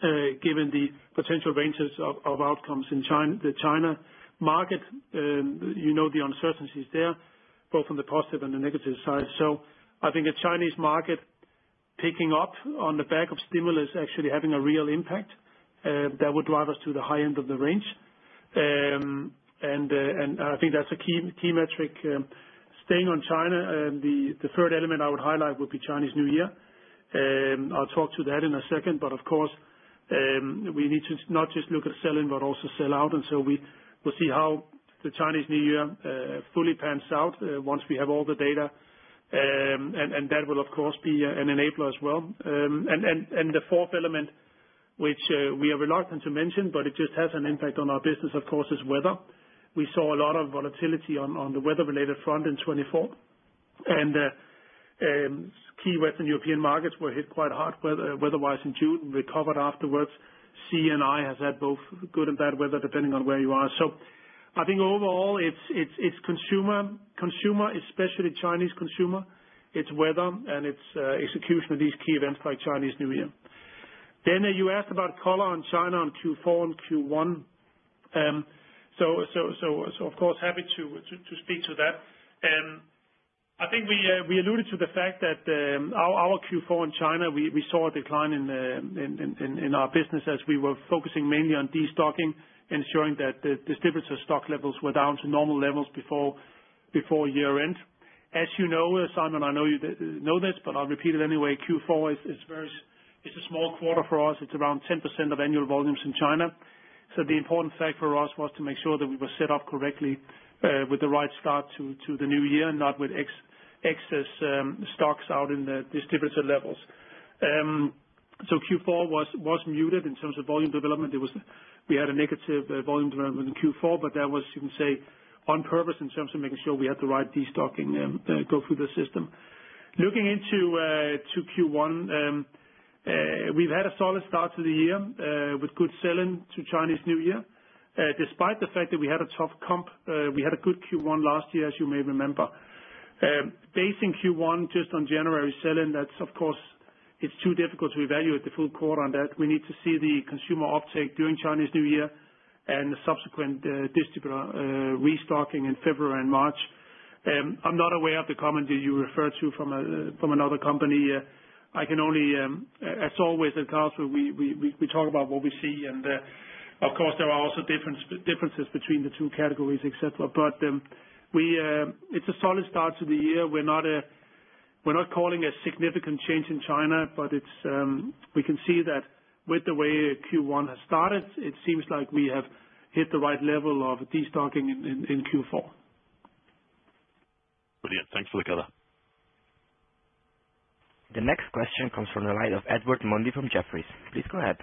the potential ranges of outcomes in the China market. You know the uncertainties there, both on the positive and the negative side. I think a Chinese market picking up on the back of stimulus actually having a real impact that would drive us to the high end of the range. And I think that's a key metric. Staying on China, the third element I would highlight would be Chinese New Year. I'll talk to that in a second, but of course, we need to not just look at selling, but also sell out. And so we will see how the Chinese New Year fully pans out once we have all the data. And that will, of course, be an enabler as well. And the fourth element, which we are reluctant to mention, but it just has an impact on our business, of course, is weather. We saw a lot of volatility on the weather-related front in 2024. And key Western European markets were hit quite hard weather-wise in June. We recovered afterwards. CE&I has had both good and bad weather depending on where you are. So I think overall, it's consumer, especially Chinese consumer, it's weather and its execution of these key events like Chinese New Year. Then you asked about color on China on Q4 and Q1. So of course, happy to speak to that. I think we alluded to the fact that our Q4 in China. We saw a decline in our business as we were focusing mainly on destocking, ensuring that distributor stock levels were down to normal levels before year-end. As you know, Simon, I know you know this, but I'll repeat it anyway. Q4 is a small quarter for us. It's around 10% of annual volumes in China. So the important fact for us was to make sure that we were set up correctly with the right start to the new year and not with excess stocks out in the distributor levels. So Q4 was muted in terms of volume development. We had a negative volume development in Q4, but that was, you can say, on purpose in terms of making sure we had the right destocking go through the system. Looking into Q1, we've had a solid start to the year with good selling to Chinese New Year. Despite the fact that we had a tough comp, we had a good Q1 last year, as you may remember. Basing Q1 just on January selling, that's, of course, it's too difficult to evaluate the full quarter on that. We need to see the consumer uptake during Chinese New Year and subsequent distributor restocking in February and March. I'm not aware of the comment that you referred to from another company. I can only, as always at Carlsberg, we talk about what we see. And of course, there are also differences between the two categories, etc. But it's a solid start to the year. We're not calling a significant change in China, but we can see that with the way Q1 has started, it seems like we have hit the right level of destocking in Q4. Brilliant. Thanks for the color. The next question comes from the line of Edward Mundy from Jefferies. Please go ahead.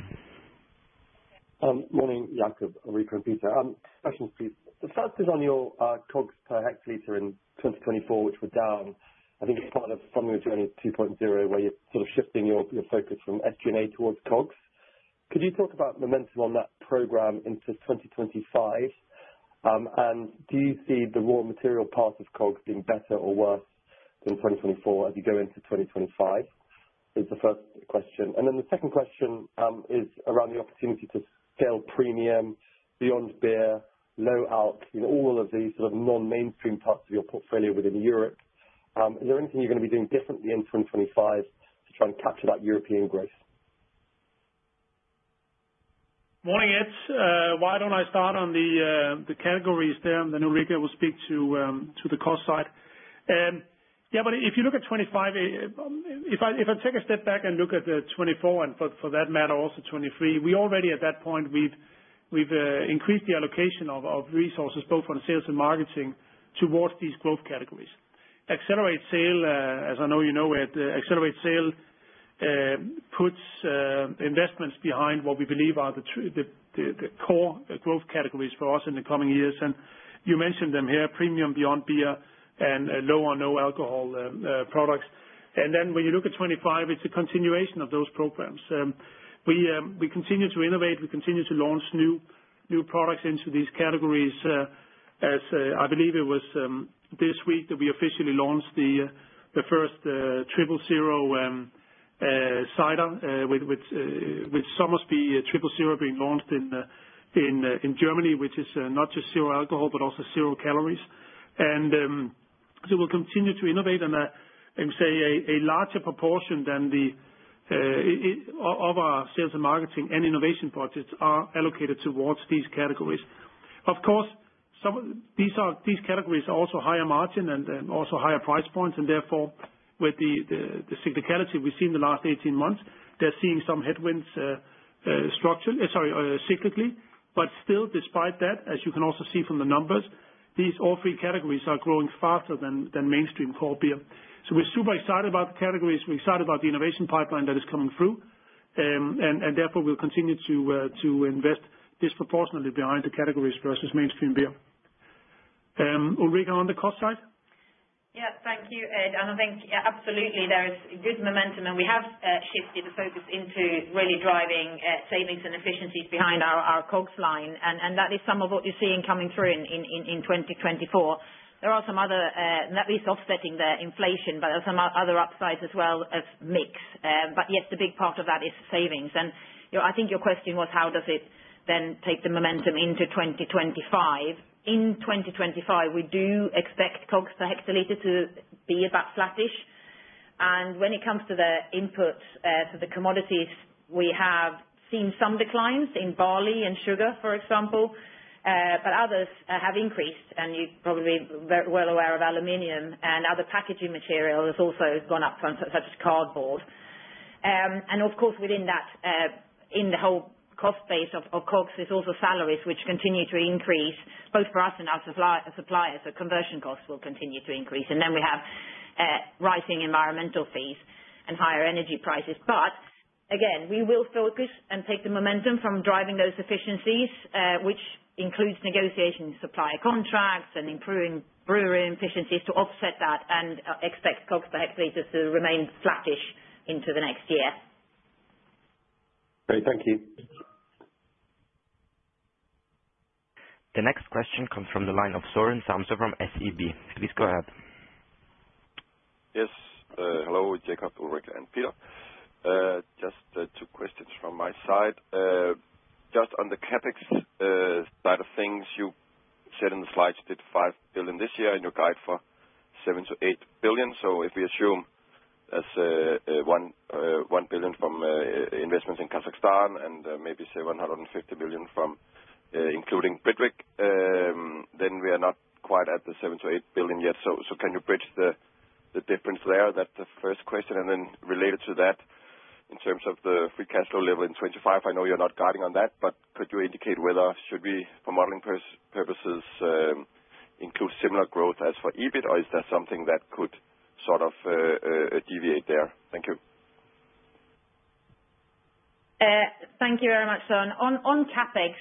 Morning, Jacob, Ulrica, and Peter. Questions, please. The first is on your COGS per hectoliter in 2024, which were down. I think it's part of Funding the Journey 2.0, where you're sort of shifting your focus from SG&A towards COGS. Could you talk about momentum on that program into 2025? And do you see the raw material part of COGS being better or worse than 2024 as you go into 2025? Is the first question. And then the second question is around the opportunity to scale premium, beyond beer, low alc, all of these sort of non-mainstream parts of your portfolio within Europe. Is there anything you're going to be doing differently in 2025 to try and capture that European growth? Morning, Ed. Why don't I start on the categories there? And then Ulrica will speak to the cost side. Yeah, but if you look at 2025, if I take a step back and look at 2024, and for that matter, also 2023, we already at that point, we've increased the allocation of resources, both on sales and marketing, towards these growth categories. Accelerate SAIL, as I know you know, Accelerate SAIL puts investments behind what we believe are the core growth categories for us in the coming years. And you mentioned them here, premium, beyond beer, and low or no alcohol products. And then when you look at 2025, it's a continuation of those programs. We continue to innovate. We continue to launch new products into these categories. I believe it was this week that we officially launched the first triple zero cider, with some of the triple zero being launched in Germany, which is not just zero alcohol, but also zero calories. And so we'll continue to innovate. And I would say a larger proportion of our sales and marketing and innovation budgets are allocated towards these categories. Of course, these categories are also higher margin and also higher price points. And therefore, with the cyclicality we've seen the last 18 months, they're seeing some headwinds cyclically. But still, despite that, as you can also see from the numbers, these all three categories are growing faster than mainstream cold beer. So we're super excited about the categories. We're excited about the innovation pipeline that is coming through, and therefore, we'll continue to invest disproportionately behind the categories versus mainstream beer. Ulrica, on the cost side? Yes, thank you, Ed, and I think, yeah, absolutely, there is good momentum, and we have shifted the focus into really driving savings and efficiencies behind our COGS line, and that is some of what you're seeing coming through in 2024. There are some other, not least offsetting the inflation, but there are some other upsides as well as mix. But yes, the big part of that is savings, and I think your question was, how does it then take the momentum into 2025? In 2025, we do expect COGS per hectoliter to be about flattish, and when it comes to the inputs for the commodities, we have seen some declines in barley and sugar, for example, but others have increased. And you're probably well aware of aluminum and other packaging materials also have gone up, such as cardboard. And of course, within that, in the whole cost base of COGS, there's also salaries, which continue to increase, both for us and our suppliers. So conversion costs will continue to increase. And then we have rising environmental fees and higher energy prices. But again, we will focus and take the momentum from driving those efficiencies, which includes negotiation in supplier contracts and improving brewery efficiencies to offset that and expect COGS per hectoliter to remain flattish into the next year. Great. Thank you. The next question comes from the line of Søren Samsøe from SEB. Please go ahead. Yes. Hello, Jacob, Ulrica, and Peter. Just two questions from my side. Just on the CapEx side of things, you said in the slides that 5 billion this year and your guide for 7 billion-8 billion. So if we assume as 1 billion from investments in Kazakhstan and maybe say 150 million from including Britvic, then we are not quite at the 7 billion-8 billion yet. So can you bridge the difference there? That's the first question. And then related to that, in terms of the free cash flow level in 2025, I know you're not guiding on that, but could you indicate whether should we, for modeling purposes, include similar growth as for EBIT, or is that something that could sort of deviate there? Thank you. Thank you very much, Søren. On CapEx,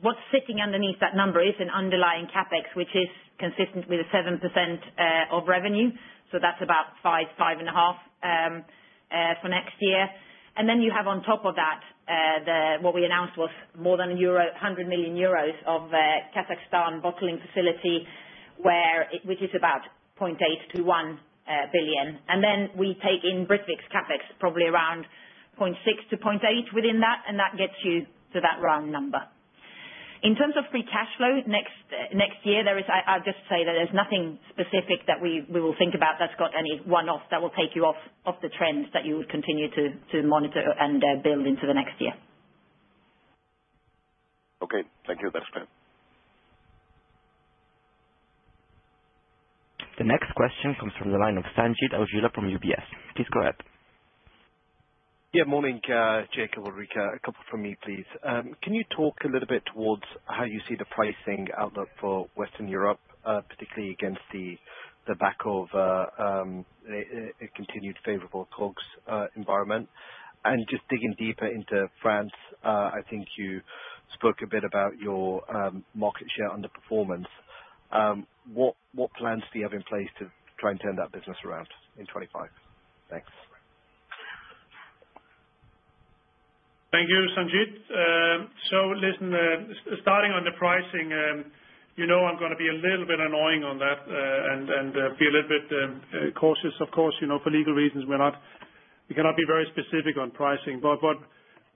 what's sitting underneath that number is an underlying CapEx, which is consistent with 7% of revenue. So that's about 5-5.5 for next year. And then you have on top of that what we announced was more than 100 million euros of Kazakhstan bottling facility, which is about 0.8-1 billion. And then we take in Britvic's CapEx, probably around 0.6-0.8 billion within that, and that gets you to that round number. In terms of free cash flow next year, I'll just say that there's nothing specific that we will think about that's got any one-off that will take you off the trend that you would continue to monitor and build into the next year. Okay. Thank you. That's clear. The next question comes from the line of Sanjeet Aujla from UBS. Please go ahead. Yeah. Morning, Jacob, Ulrica. Can you talk a little bit towards how you see the pricing outlook for Western Europe, particularly against the backdrop of a continued favorable COGS environment? And just digging deeper into France, I think you spoke a bit about your market share underperformance. What plans do you have in place to try and turn that business around in 2025? Thanks. Thank you, Sanjeet. So listen, starting on the pricing, you know I'm going to be a little bit annoying on that and be a little bit cautious. Of course, for legal reasons, we cannot be very specific on pricing. But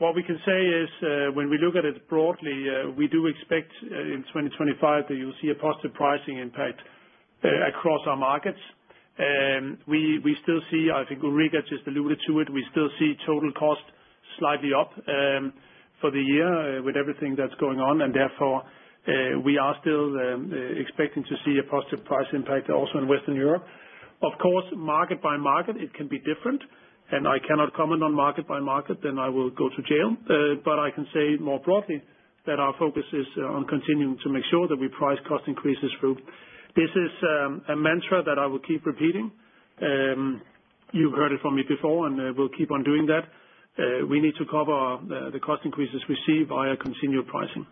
what we can say is, when we look at it broadly, we do expect in 2025 that you'll see a positive pricing impact across our markets. We still see, I think Ulrica just alluded to it, we still see total cost slightly up for the year with everything that's going on, and therefore, we are still expecting to see a positive price impact also in Western Europe. Of course, market by market, it can be different, and I cannot comment on market by market, then I will go to jail, but I can say more broadly that our focus is on continuing to make sure that we price cost increases through. This is a mantra that I will keep repeating. You've heard it from me before, and we'll keep on doing that. We need to cover the cost increases we see via continued pricing,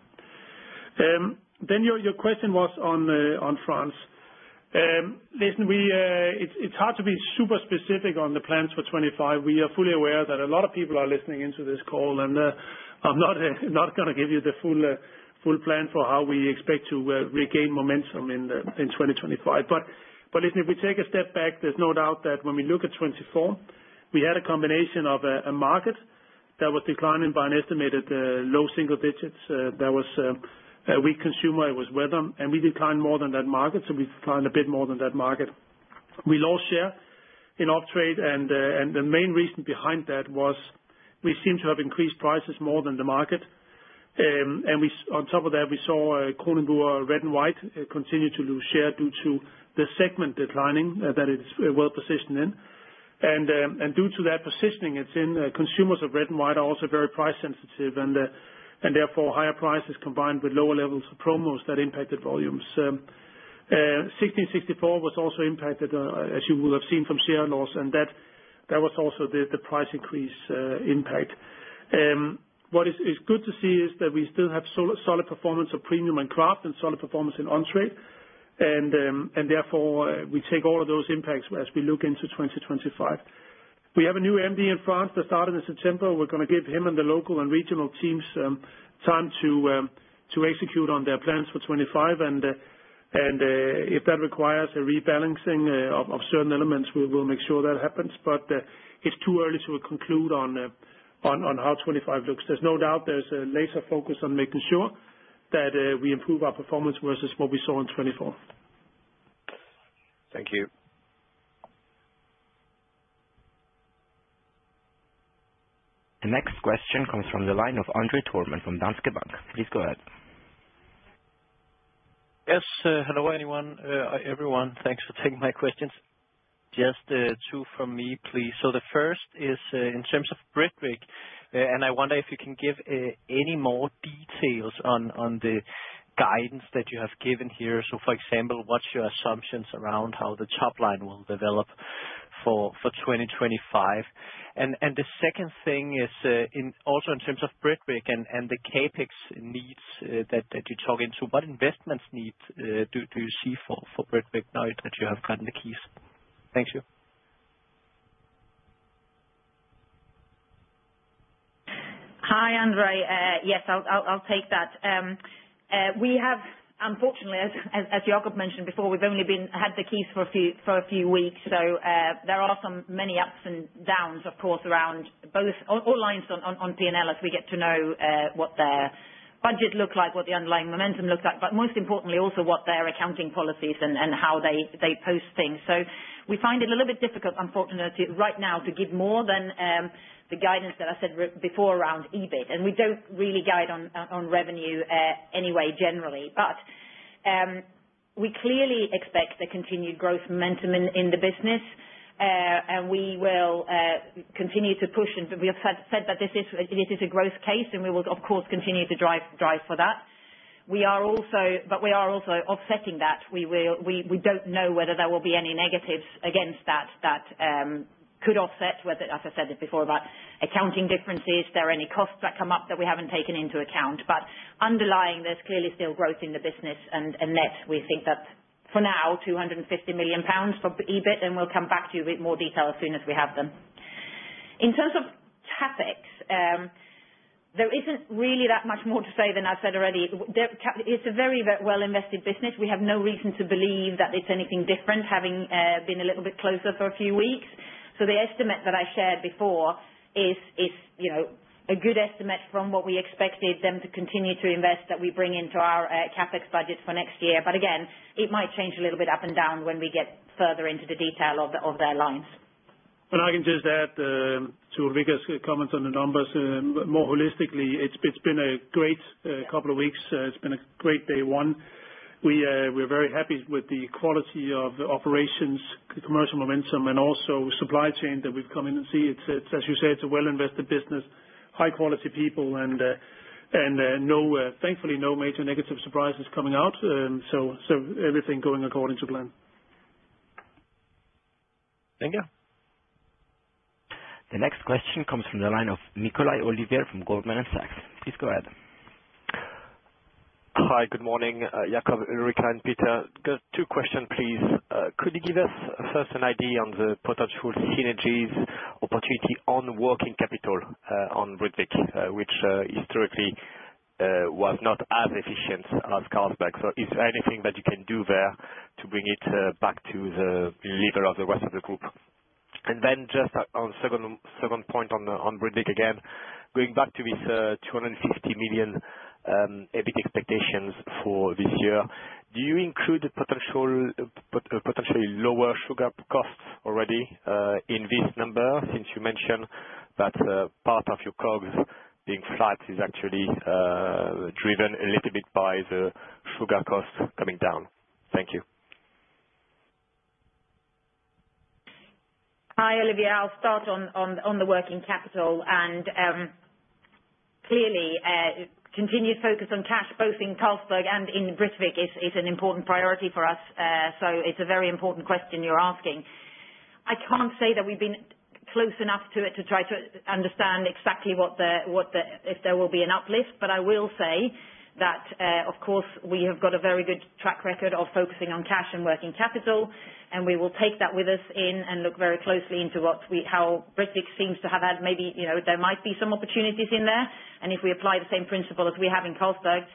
then your question was on France. Listen, it's hard to be super specific on the plans for 2025. We are fully aware that a lot of people are listening into this call, and I'm not going to give you the full plan for how we expect to regain momentum in 2025. Listen, if we take a step back, there's no doubt that when we look at 2024, we had a combination of a market that was declining by an estimated low single digits. There was a weak consumer. It was weather. We declined more than that market. We declined a bit more than that market. We lost share in on-trade. The main reason behind that was we seem to have increased prices more than the market. On top of that, we saw Kronenbourg red and white continue to lose share due to the segment declining that it's well positioned in. Due to that positioning it's in, consumers of red and white are also very price sensitive. Therefore, higher prices combined with lower levels of promos that impacted volumes. 1664 was also impacted, as you will have seen from share loss. That was also the price increase impact. What is good to see is that we still have solid performance of premium and craft and solid performance in on-trade. Therefore, we take all of those impacts as we look into 2025. We have a new MD in France that started in September. We're going to give him and the local and regional teams time to execute on their plans for 2025. If that requires a rebalancing of certain elements, we will make sure that happens. It's too early to conclude on how 2025 looks. There's no doubt there's a laser focus on making sure that we improve our performance versus what we saw in 2024. Thank you. The next question comes from the line of André Thormann from Danske Bank. Please go ahead. Yes. Hello everyone. Thanks for taking my questions. Just two from me, please. So the first is in terms of Britvic, and I wonder if you can give any more details on the guidance that you have given here. So for example, what's your assumptions around how the top line will develop for 2025? And the second thing is also in terms of Britvic and the CapEx needs that you talked about. What investment needs do you see for Britvic now that you have gotten the keys? Thank you. Hi, André. Yes, I'll take that. Unfortunately, as Jacob mentioned before, we've only had the keys for a few weeks. There are many ups and downs, of course, around all lines on P&L as we get to know what their budget looked like, what the underlying momentum looked like, but most importantly, also what their accounting policies and how they post things. We find it a little bit difficult, unfortunately, right now to give more than the guidance that I said before around EBIT. We don't really guide on revenue anyway generally. We clearly expect a continued growth momentum in the business. We will continue to push. We have said that this is a growth case, and we will, of course, continue to drive for that. We are also offsetting that. We don't know whether there will be any negatives against that that could offset, as I said before, about accounting differences, there are any costs that come up that we haven't taken into account. But underlying, there's clearly still growth in the business. And net, we think that for now, 250 million pounds for EBIT. And we'll come back to you with more detail as soon as we have them. In terms of CapEx, there isn't really that much more to say than I've said already. It's a very well-invested business. We have no reason to believe that it's anything different, having been a little bit closer for a few weeks. So the estimate that I shared before is a good estimate from what we expected them to continue to invest that we bring into our CapEx budget for next year. But again, it might change a little bit up and down when we get further into the detail of their lines. And I can just add to Ulrica's comments on the numbers. More holistically, it's been a great couple of weeks. It's been a great day one. We are very happy with the quality of operations, commercial momentum, and also supply chain that we've come in and see. As you said, it's a well-invested business, high-quality people, and thankfully, no major negative surprises coming out. So everything going according to plan. Thank you. The next question comes from the line of Olivier Nicolai from Goldman Sachs. Please go ahead. Hi, good morning, Jacob, Ulrica, and Peter. Two questions, please. Could you give us first an idea on the potential synergies opportunity on working capital on Britvic, which historically was not as efficient as Carlsberg? So is there anything that you can do there to bring it back to the level of the rest of the group? And then just on second point on Britvic again, going back to these 250 million EBIT expectations for this year, do you include potentially lower sugar costs already in this number since you mentioned that part of your COGS being flat is actually driven a little bit by the sugar costs coming down? Thank you. Hi, Olivier. I'll start on the working capital. And clearly, continued focus on cash, both in Carlsberg and in Britvic, is an important priority for us. So it's a very important question you're asking. I can't say that we've been close enough to it to try to understand exactly if there will be an uplift. But I will say that, of course, we have got a very good track record of focusing on cash and working capital. And we will take that with us in and look very closely into how Britvic seems to have had maybe there might be some opportunities in there. And if we apply the same principle as we have in Carlsberg,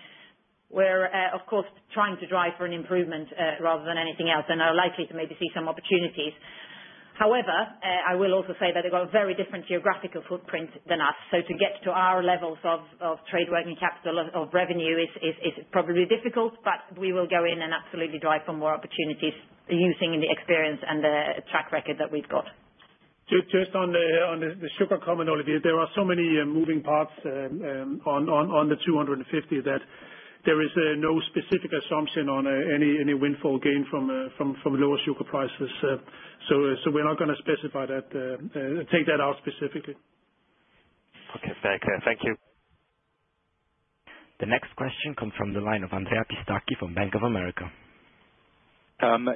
we're, of course, trying to drive for an improvement rather than anything else. And we're likely to maybe see some opportunities. However, I will also say that they've got a very different geographical footprint than us. So to get to our levels of trade working capital of revenue is probably difficult. But we will go in and absolutely drive for more opportunities using the experience and the track record that we've got. Just on the sugar comment, Olivia, there are so many moving parts on the 250 that there is no specific assumption on any windfall gain from lower sugar prices. So we're not going to specify that, take that out specifically. Okay. Thank you. The next question comes from the line of Andrea Pistacchi from Bank of America.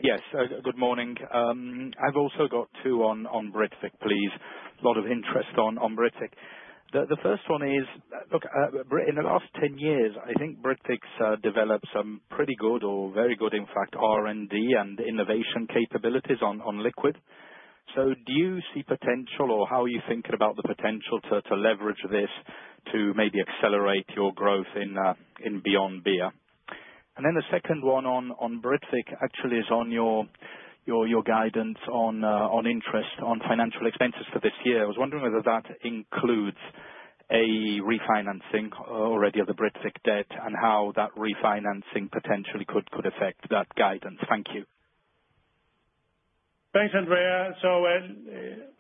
Yes. Good morning. I've also got two on Britvic, please. A lot of interest on Britvic. The first one is, look, in the last 10 years, I think Britvic's developed some pretty good or very good, in fact, R&D and innovation capabilities on liquid. So do you see potential or how are you thinking about the potential to leverage this to maybe accelerate your growth in beyond beer? And then the second one on Britvic actually is on your guidance on interest on financial expenses for this year. I was wondering whether that includes a refinancing already of the Britvic debt and how that refinancing potentially could affect that guidance. Thank you. Thanks, Andrea. So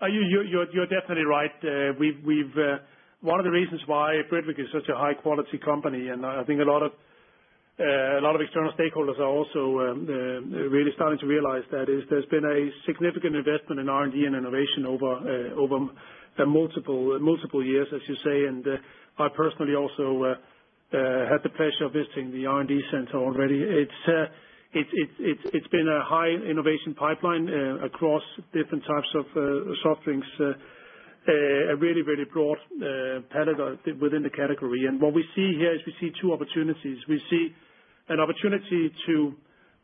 you're definitely right. One of the reasons why Britvic is such a high-quality company, and I think a lot of external stakeholders are also really starting to realize that, is there's been a significant investment in R&D and innovation over multiple years, as you say. And I personally also had the pleasure of visiting the R&D center already. It's been a high innovation pipeline across different types of soft drinks, a really, really broad pedigree within the category. And what we see here is we see two opportunities. We see an opportunity to,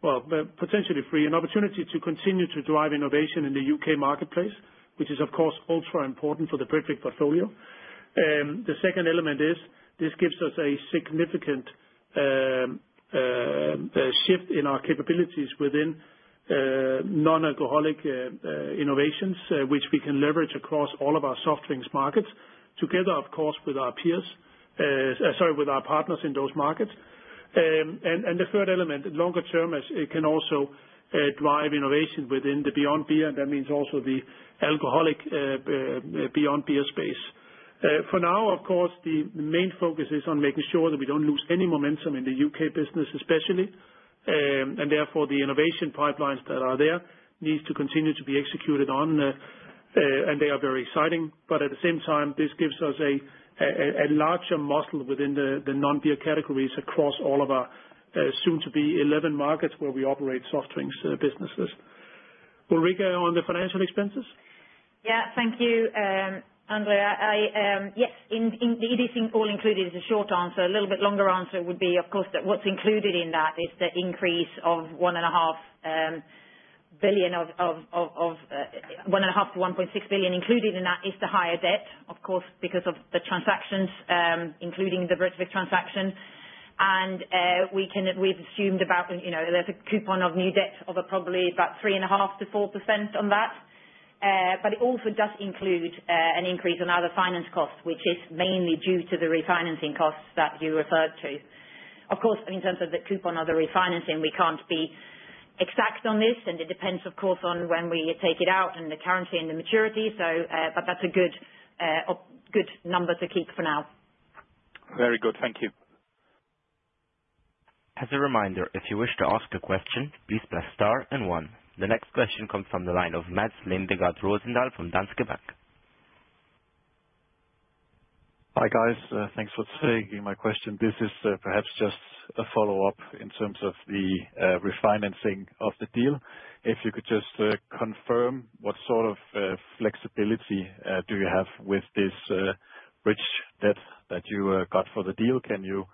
well, potentially free, an opportunity to continue to drive innovation in the U.K. marketplace, which is, of course, ultra important for the Britvic portfolio. The second element is this gives us a significant shift in our capabilities within non-alcoholic innovations, which we can leverage across all of our soft drinks markets together, of course, with our peers, sorry, with our partners in those markets, and the third element, longer-term, it can also drive innovation within the beyond beer, and that means also the alcoholic beyond beer space. For now, of course, the main focus is on making sure that we don't lose any momentum in the U.K. business, especially, and therefore, the innovation pipelines that are there need to continue to be executed on, and they are very exciting, but at the same time, this gives us a larger muscle within the non-beer categories across all of our soon-to-be 11 markets where we operate soft drinks businesses. Ulrica, on the financial expenses? Yeah. Thank you, Andrea. Yes. It is all included, is a short answer. A little bit longer answer would be, of course, that what's included in that is the increase of 1.5-1.6 billion. Included in that is the higher debt, of course, because of the transactions, including the Britvic transaction. And we've assumed about there's a coupon of new debt of probably about 3.5%-4% on that. But it also does include an increase in other finance costs, which is mainly due to the refinancing costs that you referred to. Of course, in terms of the coupon of the refinancing, we can't be exact on this. And it depends, of course, on when we take it out and the currency and the maturity. But that's a good number to keep for now. Very good. Thank you. As a reminder, if you wish to ask a question, please press star and one. The next question comes from the line of Mads Lindegaard Rosendal from Danske Bank. Hi, guys. Thanks for taking my question. This is perhaps just a follow-up in terms of the refinancing of the deal. If you could just confirm what sort of flexibility do you have with this bridge debt that you got for the deal? Can you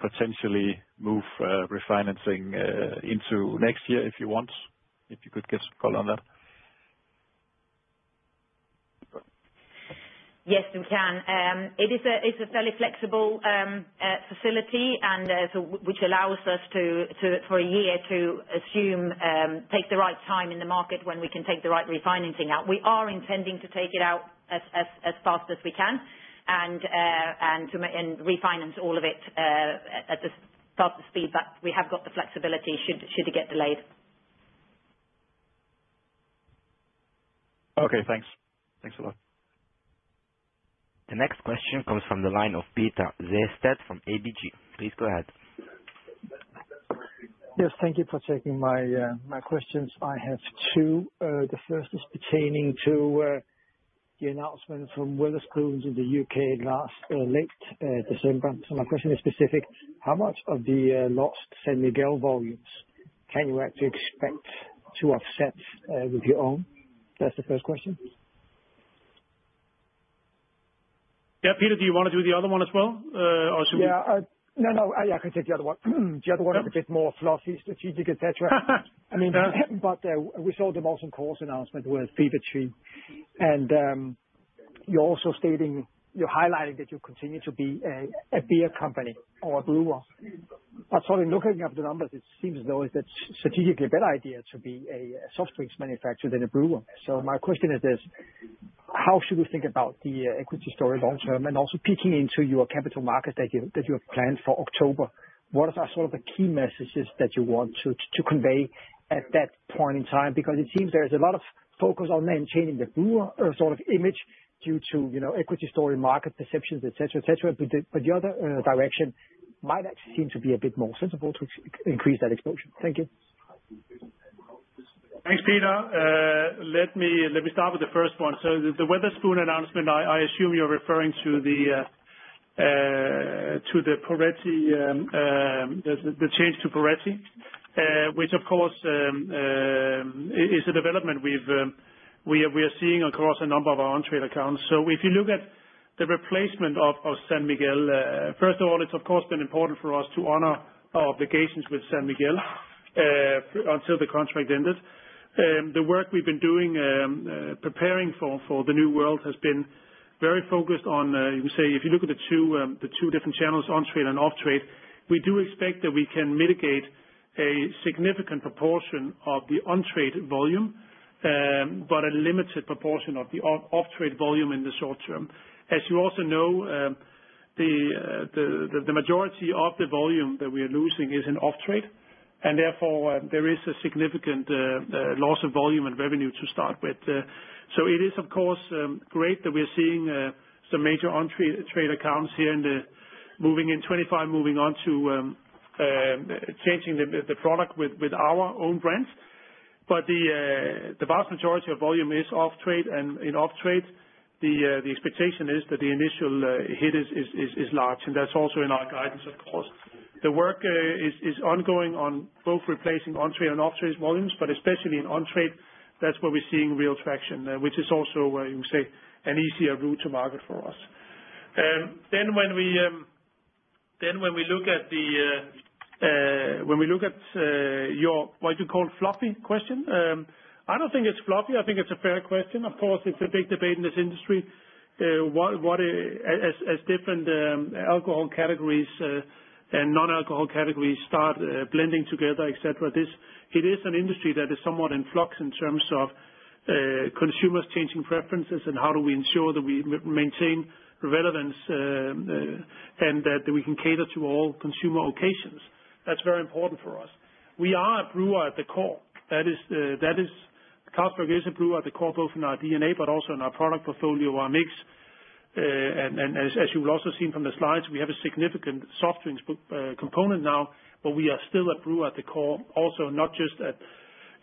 potentially move refinancing into next year if you want? If you could give some color on that. Yes, we can. It is a fairly flexible facility, which allows us for a year to take the right time in the market when we can take the right refinancing out. We are intending to take it out as fast as we can and refinance all of it at the fastest speed. But we have got the flexibility should it get delayed. Okay. Thanks. Thanks a lot. The next question comes from the line of Peter Sehested from ABG. Please go ahead. Yes. Thank you for taking my questions. I have two. The first is pertaining to the announcement from Wetherspoon in the U.K. late last December. So my question is specific. How much of the lost San Miguel volumes can you actually expect to offset with your own? That's the first question. Yeah. Peter, do you want to do the other one as well? Yeah. No, no. I can take the other one. The other one is a bit more fluffy, strategic, etc. I mean, but we saw the most important announcement was Fever-Tree. You're also stating, you're highlighting that you continue to be a beer company or a brewer. But sort of looking at the numbers, it seems as though it's a strategically better idea to be a soft drinks manufacturer than a brewer. So my question is this. How should we think about the equity story long-term and also peeking into your Capital Market that you have planned for October? What are sort of the key messages that you want to convey at that point in time? Because it seems there is a lot of focus on maintaining the brewer sort of image due to equity story, market perceptions, etc., etc. But the other direction might actually seem to be a bit more sensible to increase that exposure. Thank you. Thanks, Peter. Let me start with the first one. The Wetherspoon announcement, I assume you're referring to the change to Poretti, which, of course, is a development we are seeing across a number of our on-trade accounts. If you look at the replacement of San Miguel, first of all, it's, of course, been important for us to honor our obligations with San Miguel until the contract ended. The work we've been doing preparing for the new world has been very focused on, you can say, if you look at the two different channels, on-trade and off-trade, we do expect that we can mitigate a significant proportion of the on-trade volume, but a limited proportion of the off-trade volume in the short-term. As you also know, the majority of the volume that we are losing is in off-trade. And therefore, there is a significant loss of volume and revenue to start with. So it is, of course, great that we are seeing some major on-trade accounts here moving in 25, moving on to changing the product with our own brands, but the vast majority of volume is off-trade, and in off-trade, the expectation is that the initial hit is large, and that's also in our guidance, of course. The work is ongoing on both replacing on-trade and off-trade volumes, but especially in on-trade, that's where we're seeing real traction, which is also, you can say, an easier route to market for us, then when we look at your, what you call, floppy question, I don't think it's floppy. I think it's a fair question. Of course, it's a big debate in this industry. As different alcohol categories and non-alcohol categories start blending together, etc., it is an industry that is somewhat in flux in terms of consumers changing preferences and how do we ensure that we maintain relevance and that we can cater to all consumer occasions. That's very important for us. We are a brewer at the core. That is, Carlsberg is a brewer at the core, both in our DNA, but also in our product portfolio, our mix and as you've also seen from the slides, we have a significant soft drinks component now, but we are still a brewer at the core, also not just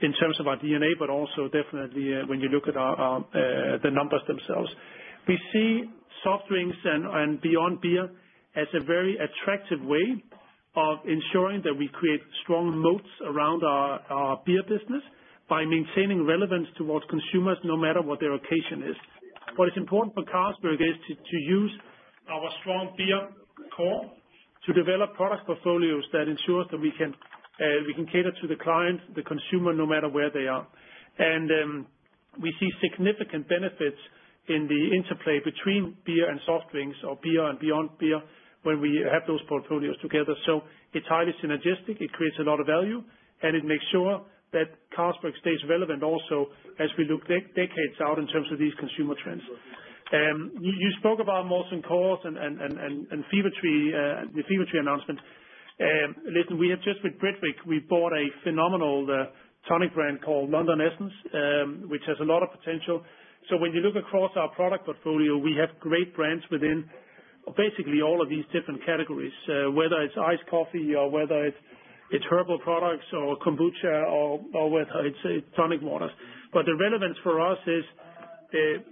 in terms of our DNA, but also definitely when you look at the numbers themselves. We see soft drinks and beyond beer as a very attractive way of ensuring that we create strong moats around our beer business by maintaining relevance towards consumers no matter what their occasion is. What is important for Carlsberg is to use our strong beer core to develop product portfolios that ensures that we can cater to the client, the consumer, no matter where they are, and we see significant benefits in the interplay between beer and soft drinks or beer and beyond beer when we have those portfolios together, so it's highly synergistic. It creates a lot of value, and it makes sure that Carlsberg stays relevant also as we look decades out in terms of these consumer trends. You spoke about Molson Coors and the Fever-Tree announcement. Listen, we have just with Britvic, we bought a phenomenal tonic brand called London Essence, which has a lot of potential. When you look across our product portfolio, we have great brands within basically all of these different categories, whether it's iced coffee or whether it's herbal products or kombucha or whether it's tonic waters. But the relevance for us is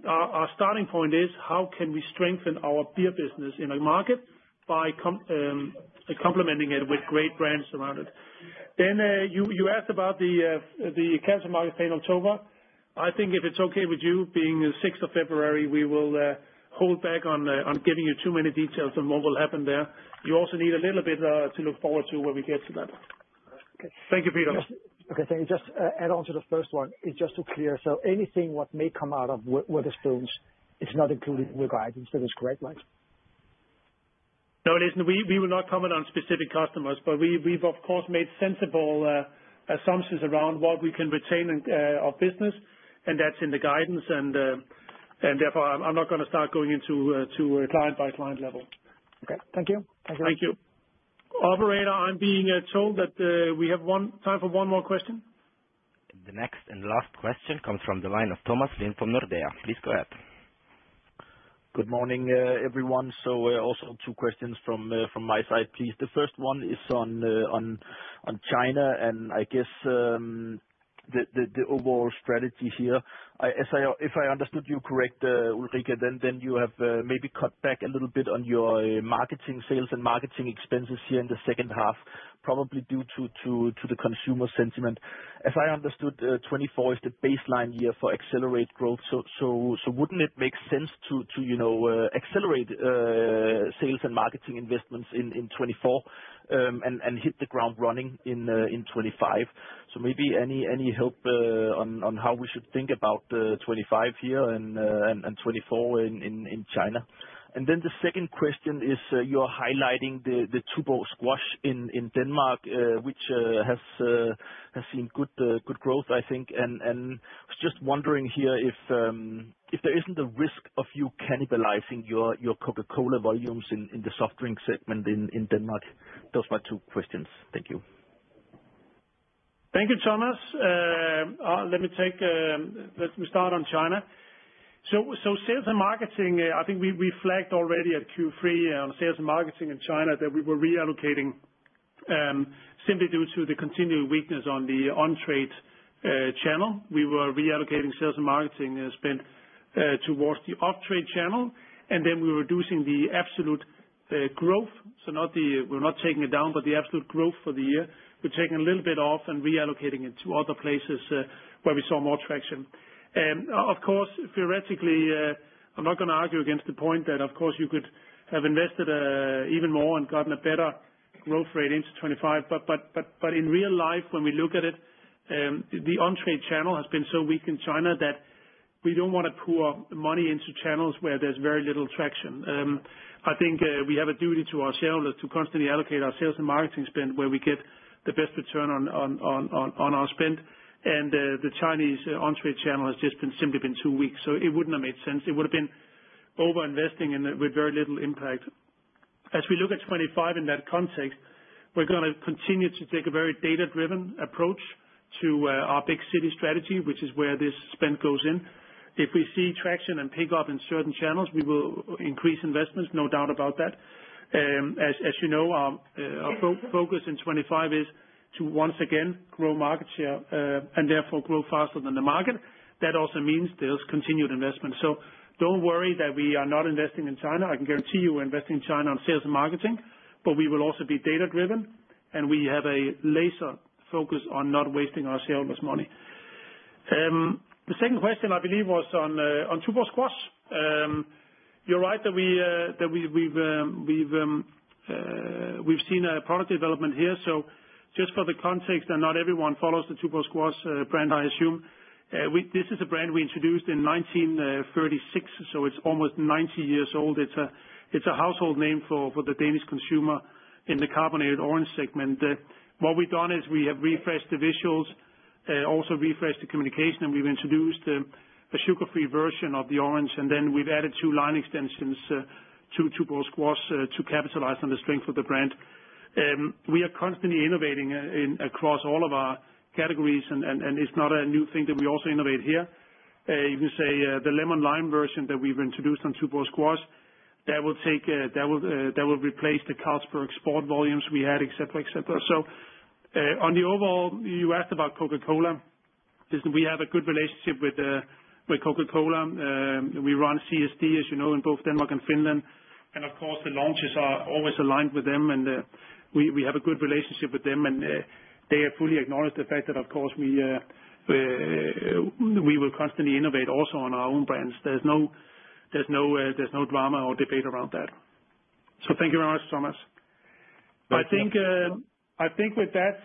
our starting point is how can we strengthen our beer business in a market by complementing it with great brands around it. Then you asked about the Capital Market in October. I think if it's okay with you, being the 6th of February, we will hold back on giving you too many details on what will happen there. You also need a little bit to look forward to when we get to that. Thank you, Peter. Okay. Thank you. Just add on to the first one. It's just to clarify. So anything that may come out of Wetherspoons, it's not included in your guidance. That's great, right? No, listen, we will not comment on specific customers, but we've, of course, made sensible assumptions around what we can retain of business. And that's in the guidance. And therefore, I'm not going to start going into client-by-client level. Okay. Thank you. Thank you. Thank you. Operator, I'm being told that we have time for one more question. The next and last question comes from the line of Thomas Lind from Nordea. Please go ahead. Good morning, everyone. So also two questions from my side, please. The first one is on China. And I guess the overall strategy here, if I understood you correctly, Ulrica, then you have maybe cut back a little bit on your marketing sales and marketing expenses here in the second half, probably due to the consumer sentiment. As I understood, 2024 is the baseline year for accelerate growth. Wouldn't it make sense to accelerate sales and marketing investments in 2024 and hit the ground running in 2025? So maybe any help on how we should think about 2025 here and 2024 in China? And then the second question is you're highlighting the Tuborg Squash in Denmark, which has seen good growth, I think. And just wondering here if there isn't a risk of you cannibalizing your Coca-Cola volumes in the soft drink segment in Denmark? Those were two questions. Thank you. Thank you, Thomas. Let me start on China. So sales and marketing, I think we flagged already at Q3 on sales and marketing in China that we were reallocating simply due to the continued weakness on the on-trade channel. We were reallocating sales and marketing spend towards the off-trade channel. And then we were reducing the absolute growth. We're not taking it down, but the absolute growth for the year. We're taking a little bit off and reallocating it to other places where we saw more traction. Of course, theoretically, I'm not going to argue against the point that, of course, you could have invested even more and gotten a better growth rate into 2025. But in real life, when we look at it, the on-trade channel has been so weak in China that we don't want to pour money into channels where there's very little traction. I think we have a duty to ourselves to constantly allocate our sales and marketing spend where we get the best return on our spend. And the Chinese on-trade channel has just been simply too weak. So it wouldn't have made sense. It would have been over-investing with very little impact. As we look at 25 in that context, we're going to continue to take a very data-driven approach to our big city strategy, which is where this spend goes in. If we see traction and pickup in certain channels, we will increase investments, no doubt about that. As you know, our focus in 25 is to once again grow market share and therefore grow faster than the market. That also means there's continued investment. So don't worry that we are not investing in China. I can guarantee you we're investing in China on sales and marketing, but we will also be data-driven. And we have a laser focus on not wasting our shareholders' money. The second question, I believe, was on Tuborg Squash. You're right that we've seen a product development here. So just for the context, and not everyone follows the Tuborg Squash brand, I assume. This is a brand we introduced in 1936, so it's almost 90 years old. It's a household name for the Danish consumer in the carbonated orange segment. What we've done is we have refreshed the visuals, also refreshed the communication, and we've introduced a sugar-free version of the orange, and then we've added two line extensions to Tuborg Squash to capitalize on the strength of the brand. We are constantly innovating across all of our categories, and it's not a new thing that we also innovate here. You can say the lemon-lime version that we've introduced on Tuborg Squash, that will replace the Carlsberg Sport volumes we had, etc., etc. So, overall, you asked about Coca-Cola. Listen, we have a good relationship with Coca-Cola. We run CSD, as you know, in both Denmark and Finland, and of course, the launches are always aligned with them. We have a good relationship with them. They have fully acknowledged the fact that, of course, we will constantly innovate also on our own brands. There's no drama or debate around that. Thank you very much, Thomas. I think with that,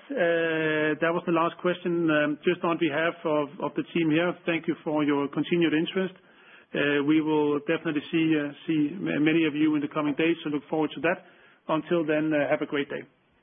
that was the last question just on behalf of the team here. Thank you for your continued interest. We will definitely see many of you in the coming days. Look forward to that. Until then, have a great day.